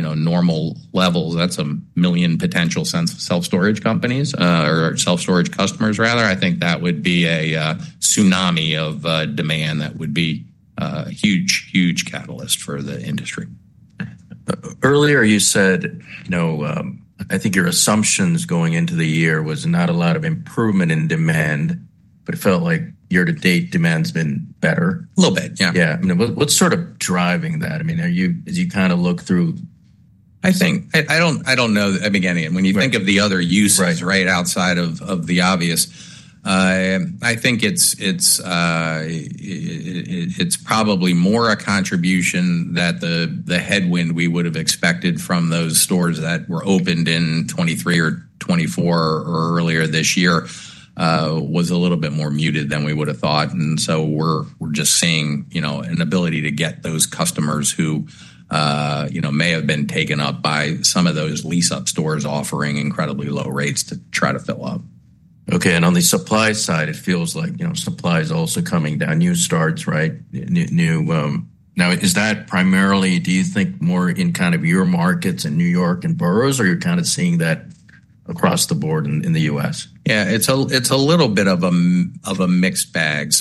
normal levels, that's a million potential self-storage companies or self-storage customers, rather. I think that would be a tsunami of demand that would be a huge, huge catalyst for the industry. Earlier you said, I think your assumptions going into the year was not a lot of improvement in demand, but it felt like year-to-date demand's been better. A little bit, yeah. Yeah, what's sort of driving that? I mean, as you kind of look through. I think when you think of the other uses right outside of the obvious, I think it's probably more a contribution that the headwind we would have expected from those stores that were opened in 2023 or 2024 or earlier this year was a little bit more muted than we would have thought. We're just seeing an ability to get those customers who may have been taken up by some of those lease-up stores offering incredibly low rates to try to fill up. Okay, and on the supply side, it feels like supply is also coming down. New starts, right? Now, is that primarily, do you think, more in kind of your markets in New York and boroughs, or are you kind of seeing that across the board in the U.S.? Yeah, it's a little bit of a mixed bag.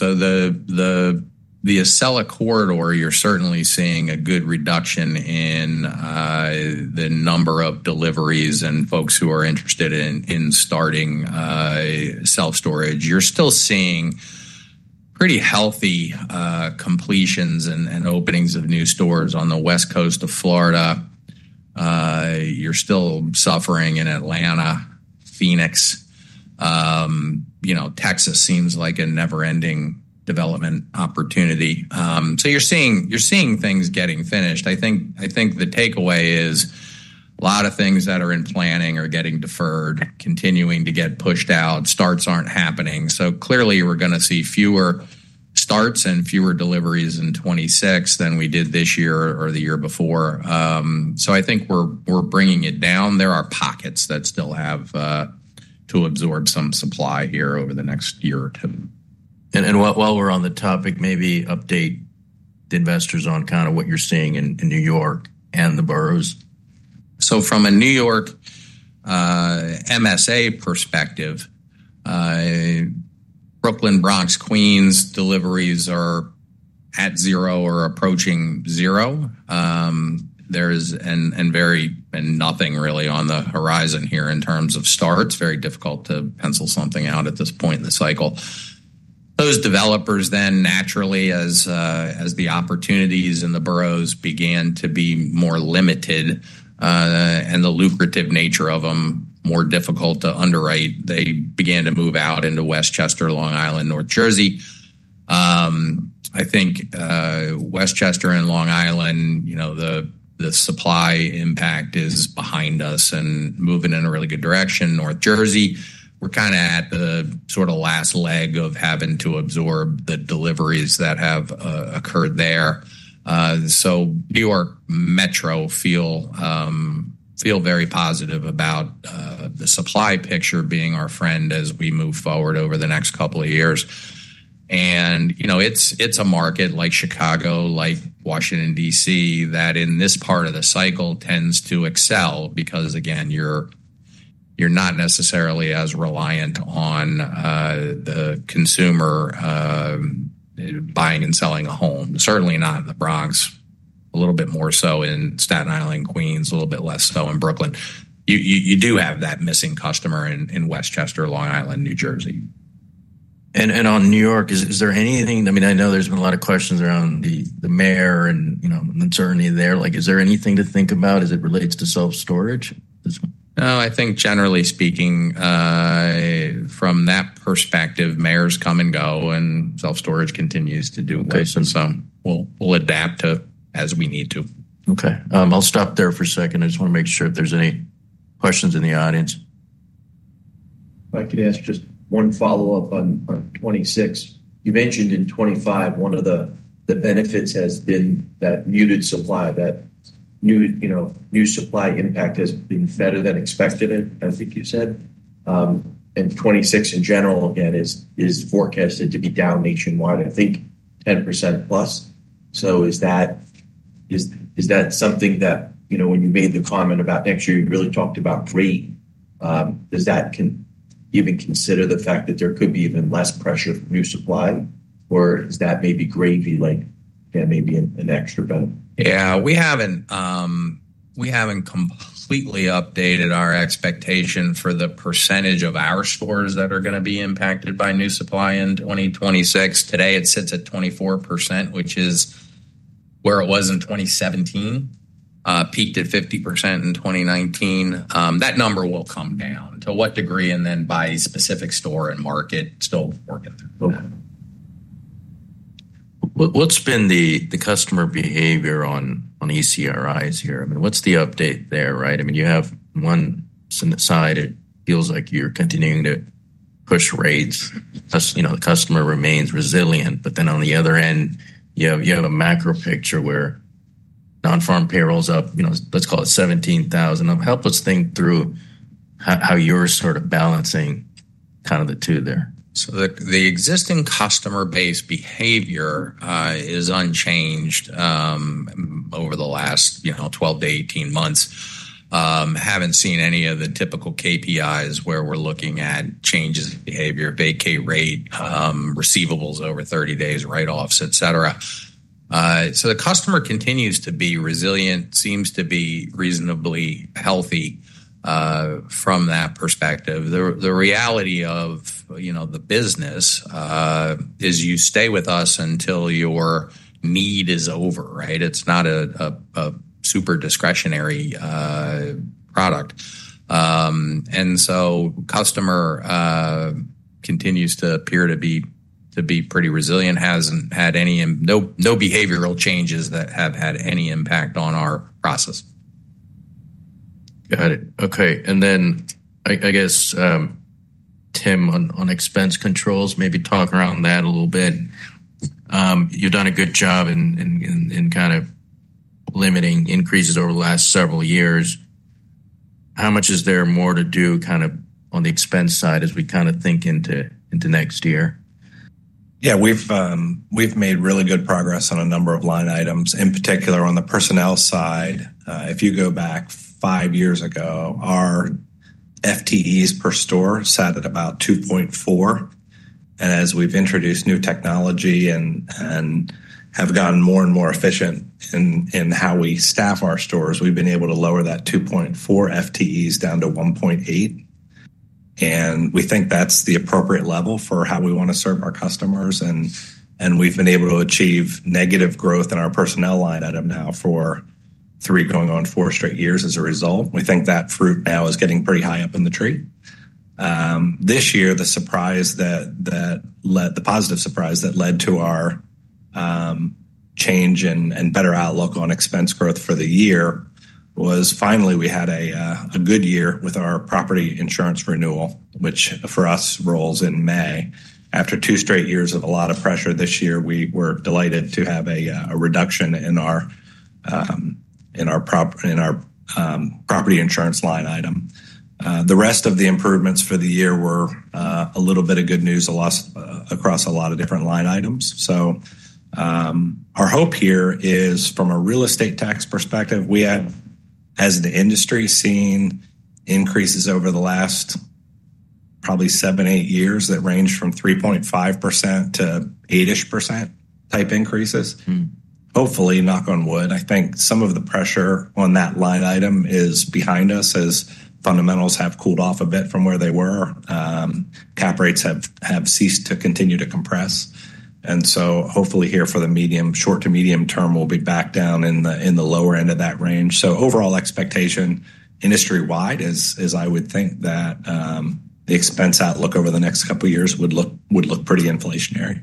The Acela corridor, you're certainly seeing a good reduction in the number of deliveries and folks who are interested in starting self-storage. You're still seeing pretty healthy completions and openings of new stores on the West Coast of Florida. You're still suffering in Atlanta, Phoenix. Texas seems like a never-ending development opportunity. You're seeing things getting finished. I think the takeaway is a lot of things that are in planning are getting deferred, continuing to get pushed out. Starts aren't happening. Clearly, we're going to see fewer starts and fewer deliveries in 2026 than we did this year or the year before. I think we're bringing it down. There are pockets that still have to absorb some supply here over the next year or two. While we're on the topic, maybe update investors on kind of what you're seeing in New York and the boroughs. From a New York MSA perspective, Brooklyn, Bronx, Queens deliveries are at zero or approaching zero. There's really nothing on the horizon here in terms of starts. It's very difficult to pencil something out at this point in the cycle. Those developers then naturally, as the opportunities in the boroughs began to be more limited and the lucrative nature of them more difficult to underwrite, began to move out into Westchester, Long Island, North Jersey. I think Westchester and Long Island, the supply impact is behind us and moving in a really good direction. North Jersey, we're kind of at the last leg of having to absorb the deliveries that have occurred there. The New York Metro feels very positive about the supply picture being our friend as we move forward over the next couple of years. It's a market like Chicago, like Washington, D.C., that in this part of the cycle tends to excel because you're not necessarily as reliant on the consumer buying and selling a home. Certainly not in the Bronx. A little bit more so in Staten Island, Queens. A little bit less so in Brooklyn. You do have that missing customer in Westchester, Long Island, New Jersey. On New York, is there anything? I know there's been a lot of questions around the mayor and the majority there. Is there anything to think about as it relates to self-storage? No, I think generally speaking, from that perspective, mayors come and go and self-storage continues to do its job. We'll adapt as we need to. Okay, I'll stop there for a second. I just want to make sure if there's any questions in the audience. I'd like to ask just one follow-up on '26. You mentioned in '25, one of the benefits has been that muted supply, that new, you know, new supply impact has been better than expected, I think you said. In '26 in general, again, is forecasted to be down nationwide, I think 10% plus. Is that something that, you know, when you made the comment about next year, you really talked about greed? Does that even consider the fact that there could be even less pressure from new supply, or is that maybe gravy, like maybe an extra? Yeah, we haven't completely updated our expectation for the percentage of our stores that are going to be impacted by new supply in 2026. Today, it sits at 24%, which is where it was in 2017, peaked at 50% in 2019. That number will come down to what degree, and then by specific store and market still working a little bit. What's been the customer behavior on ECRIs here? What's the update there, right? You have one side, it feels like you're continuing to push rates. You know, the customer remains resilient, but then on the other end, you have a macro picture where non-farm payroll's up, let's call it 17,000. Help us think through how you're sort of balancing the two there. The existing customer base behavior is unchanged over the last 12 to 18 months. Haven't seen any of the typical KPIs where we're looking at changes in behavior, vacate rate, receivables over 30 days, write-offs, et cetera. The customer continues to be resilient, seems to be reasonably healthy from that perspective. The reality of the business is you stay with us until your need is over, right? It's not a super discretionary product. The customer continues to appear to be pretty resilient, hasn't had any behavioral changes that have had any impact on our process. Got it. Okay. I guess, Tim, on expense controls, maybe talk around that a little bit. You've done a good job in kind of limiting increases over the last several years. How much is there more to do kind of on the expense side as we kind of think into next year? Yeah, we've made really good progress on a number of line items, in particular on the personnel side. If you go back five years ago, our FTEs per store sat at about 2.4. As we've introduced new technology and have gotten more and more efficient in how we staff our stores, we've been able to lower that 2.4 FTEs down to 1.8. We think that's the appropriate level for how we want to serve our customers. We've been able to achieve negative growth in our personnel line item now for three going on four straight years as a result. We think that fruit now is getting pretty high up in the tree. This year, the positive surprise that led to our change and better outlook on expense growth for the year was finally we had a good year with our property insurance renewal, which for us rolls in May. After two straight years of a lot of pressure, this year we were delighted to have a reduction in our property insurance line item. The rest of the improvements for the year were a little bit of good news across a lot of different line items. Our hope here is from a real estate tax perspective, we have, as the industry has seen, increases over the last probably seven, eight years that range from 3.5% to 8% type increases. Hopefully, knock on wood, I think some of the pressure on that line item is behind us as fundamentals have cooled off a bit from where they were. Cap rates have ceased to continue to compress. Hopefully here for the short to medium term, we'll be back down in the lower end of that range. Overall expectation industry-wide is I would think that the expense outlook over the next couple of years would look pretty inflationary.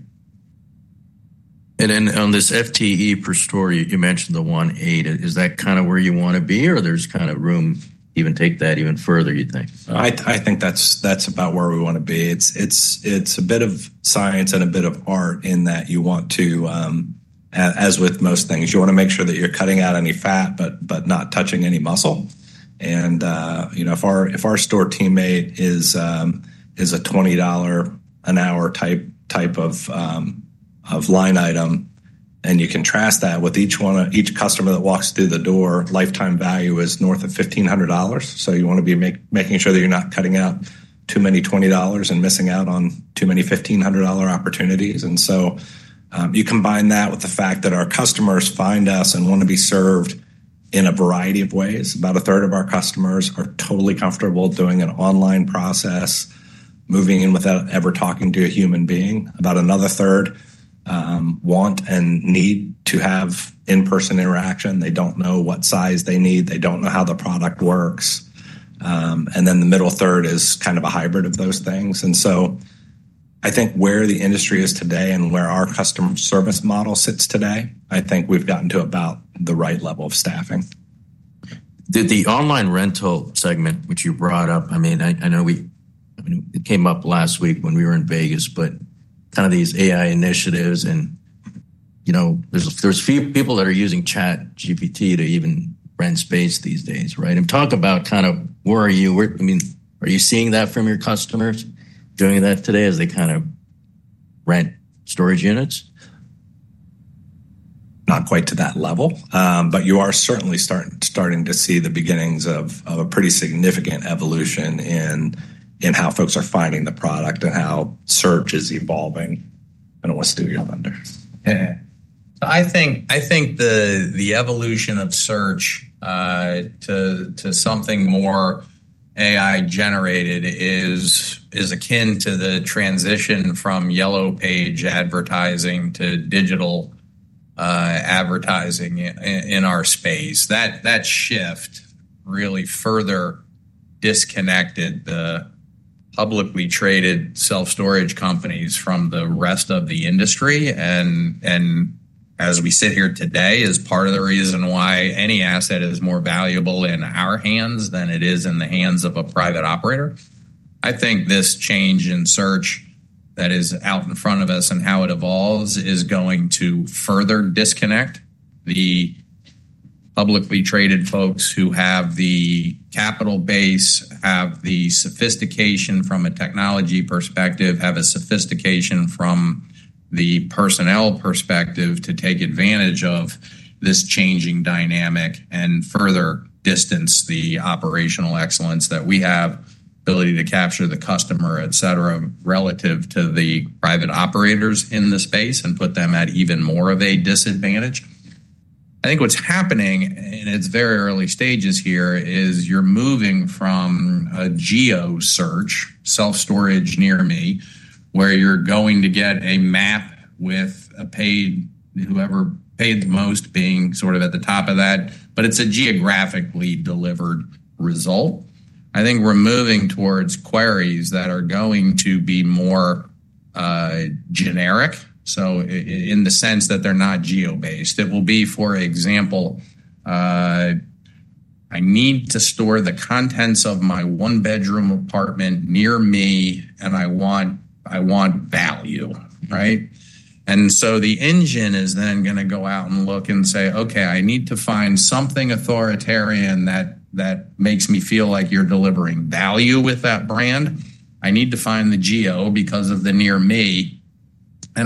On this FTE per store, you mentioned the 1.8. Is that kind of where you want to be, or is there room to even take that further, you think? I think that's about where we want to be. It's a bit of science and a bit of art in that you want to, as with most things, make sure that you're cutting out any fat but not touching any muscle. If our store teammate is a $20 an hour type of line item, and you contrast that with each customer that walks through the door, lifetime value is north of $1,500. You want to be making sure that you're not cutting out too many $20 and missing out on too many $1,500 opportunities. You combine that with the fact that our customers find us and want to be served in a variety of ways. About a third of our customers are totally comfortable doing an online process, moving in without ever talking to a human being. About another third want and need to have in-person interaction. They don't know what size they need. They don't know how the product works. The middle third is kind of a hybrid of those things. I think where the industry is today and where our customer service model sits today, I think we've gotten to about the right level of staffing. The online rental segment, which you brought up, I know it came up last week when we were in Vegas, but kind of these AI initiatives and, you know, there's a few people that are using ChatGPT to even rent space these days, right? Talk about kind of where are you, I mean, are you seeing that from your customers doing that today as they kind of rent storage units? Not quite to that level, but you are certainly starting to see the beginnings of a pretty significant evolution in how folks are finding the product and how search is evolving and what's doing it. Yeah, I think the evolution of search to something more AI-generated is akin to the transition from yellow page advertising to digital advertising in our space. That shift really further disconnected the publicly traded self-storage companies from the rest of the industry. As we sit here today, it is part of the reason why any asset is more valuable in our hands than it is in the hands of a private operator. I think this change in search that is out in front of us and how it evolves is going to further disconnect the publicly traded folks who have the capital base, have the sophistication from a technology perspective, have a sophistication from the personnel perspective to take advantage of this changing dynamic and further distance the operational excellence that we have, ability to capture the customer, et cetera, relative to the private operators in the space and put them at even more of a disadvantage. I think what's happening in its very early stages here is you're moving from a geo search, self-storage near me, where you're going to get a map with a paid, whoever paid the most being sort of at the top of that, but it's a geographically delivered result. I think we're moving towards queries that are going to be more generic. In the sense that they're not geo-based, it will be, for example, I need to store the contents of my one-bedroom apartment near me and I want value, right? The engine is then going to go out and look and say, okay, I need to find something authoritarian that makes me feel like you're delivering value with that brand. I need to find the geo because of the near me.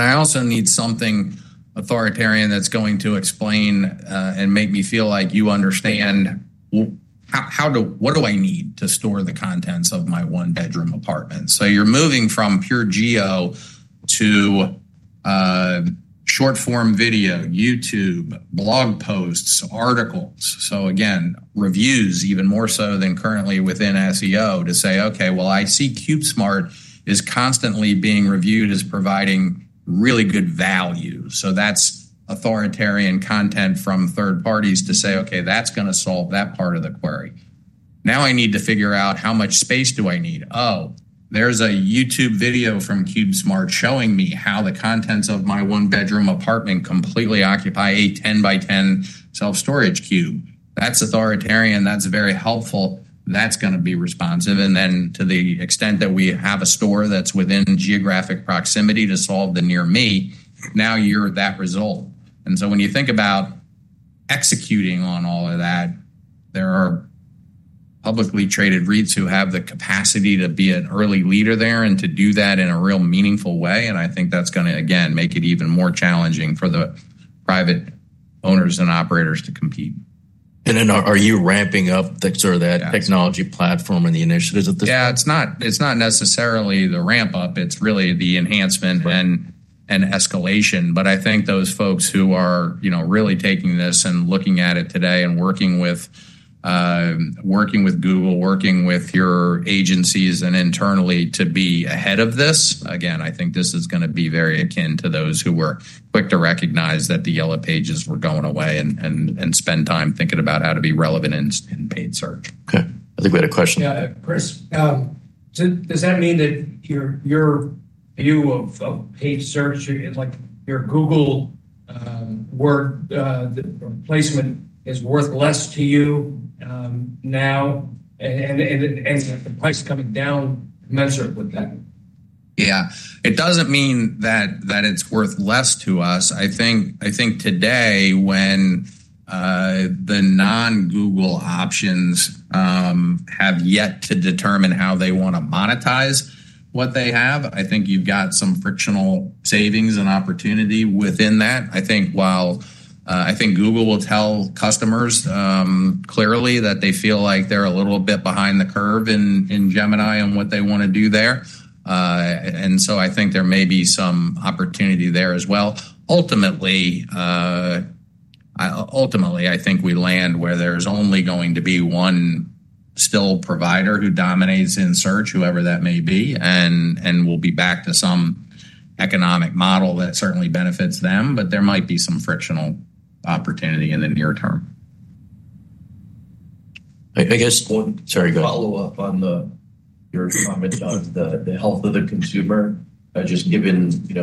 I also need something authoritarian that's going to explain and make me feel like you understand what do I need to store the contents of my one-bedroom apartment. You're moving from pure geo to short-form video, YouTube, blog posts, articles. Reviews even more so than currently within SEO to say, okay, well, I see CubeSmart is constantly being reviewed as providing really good value. That's authoritarian content from third parties to say, okay, that's going to solve that part of the query. Now I need to figure out how much space do I need. Oh, there's a YouTube video from CubeSmart showing me how the contents of my one-bedroom apartment completely occupy a 10 by 10 self-storage cube. That's authoritarian. That's very helpful. That's going to be responsive. To the extent that we have a store that's within geographic proximity to solve the near me, now you're that result. When you think about executing on all of that, there are publicly traded REITs who have the capacity to be an early leader there and to do that in a real meaningful way. I think that's going to, again, make it even more challenging for the private owners and operators to compete. Are you ramping up that technology platform and the initiatives? Yeah, it's not necessarily the ramp up. It's really the enhancement and escalation. I think those folks who are really taking this and looking at it today and working with Google, working with your agencies and internally to be ahead of this, again, I think this is going to be very akin to those who were quick to recognize that the yellow pages were going away and spend time thinking about how to be relevant in paid search. Okay, I think we had a question. Yeah, Chris, does that mean that your view of paid search, like your Google work, the replacement is worth less to you now? Is the price coming down measured with that? Yeah, it doesn't mean that it's worth less to us. I think today when the non-Google options have yet to determine how they want to monetize what they have, I think you've got some frictional savings and opportunity within that. I think Google will tell customers clearly that they feel like they're a little bit behind the curve in Gemini and what they want to do there. I think there may be some opportunity there as well. Ultimately, I think we land where there's only going to be one still provider who dominates in search, whoever that may be, and we'll be back to some economic model that certainly benefits them. There might be some frictional opportunity in the near term. I guess, one follow-up on your comment about the health of the consumer, just given the.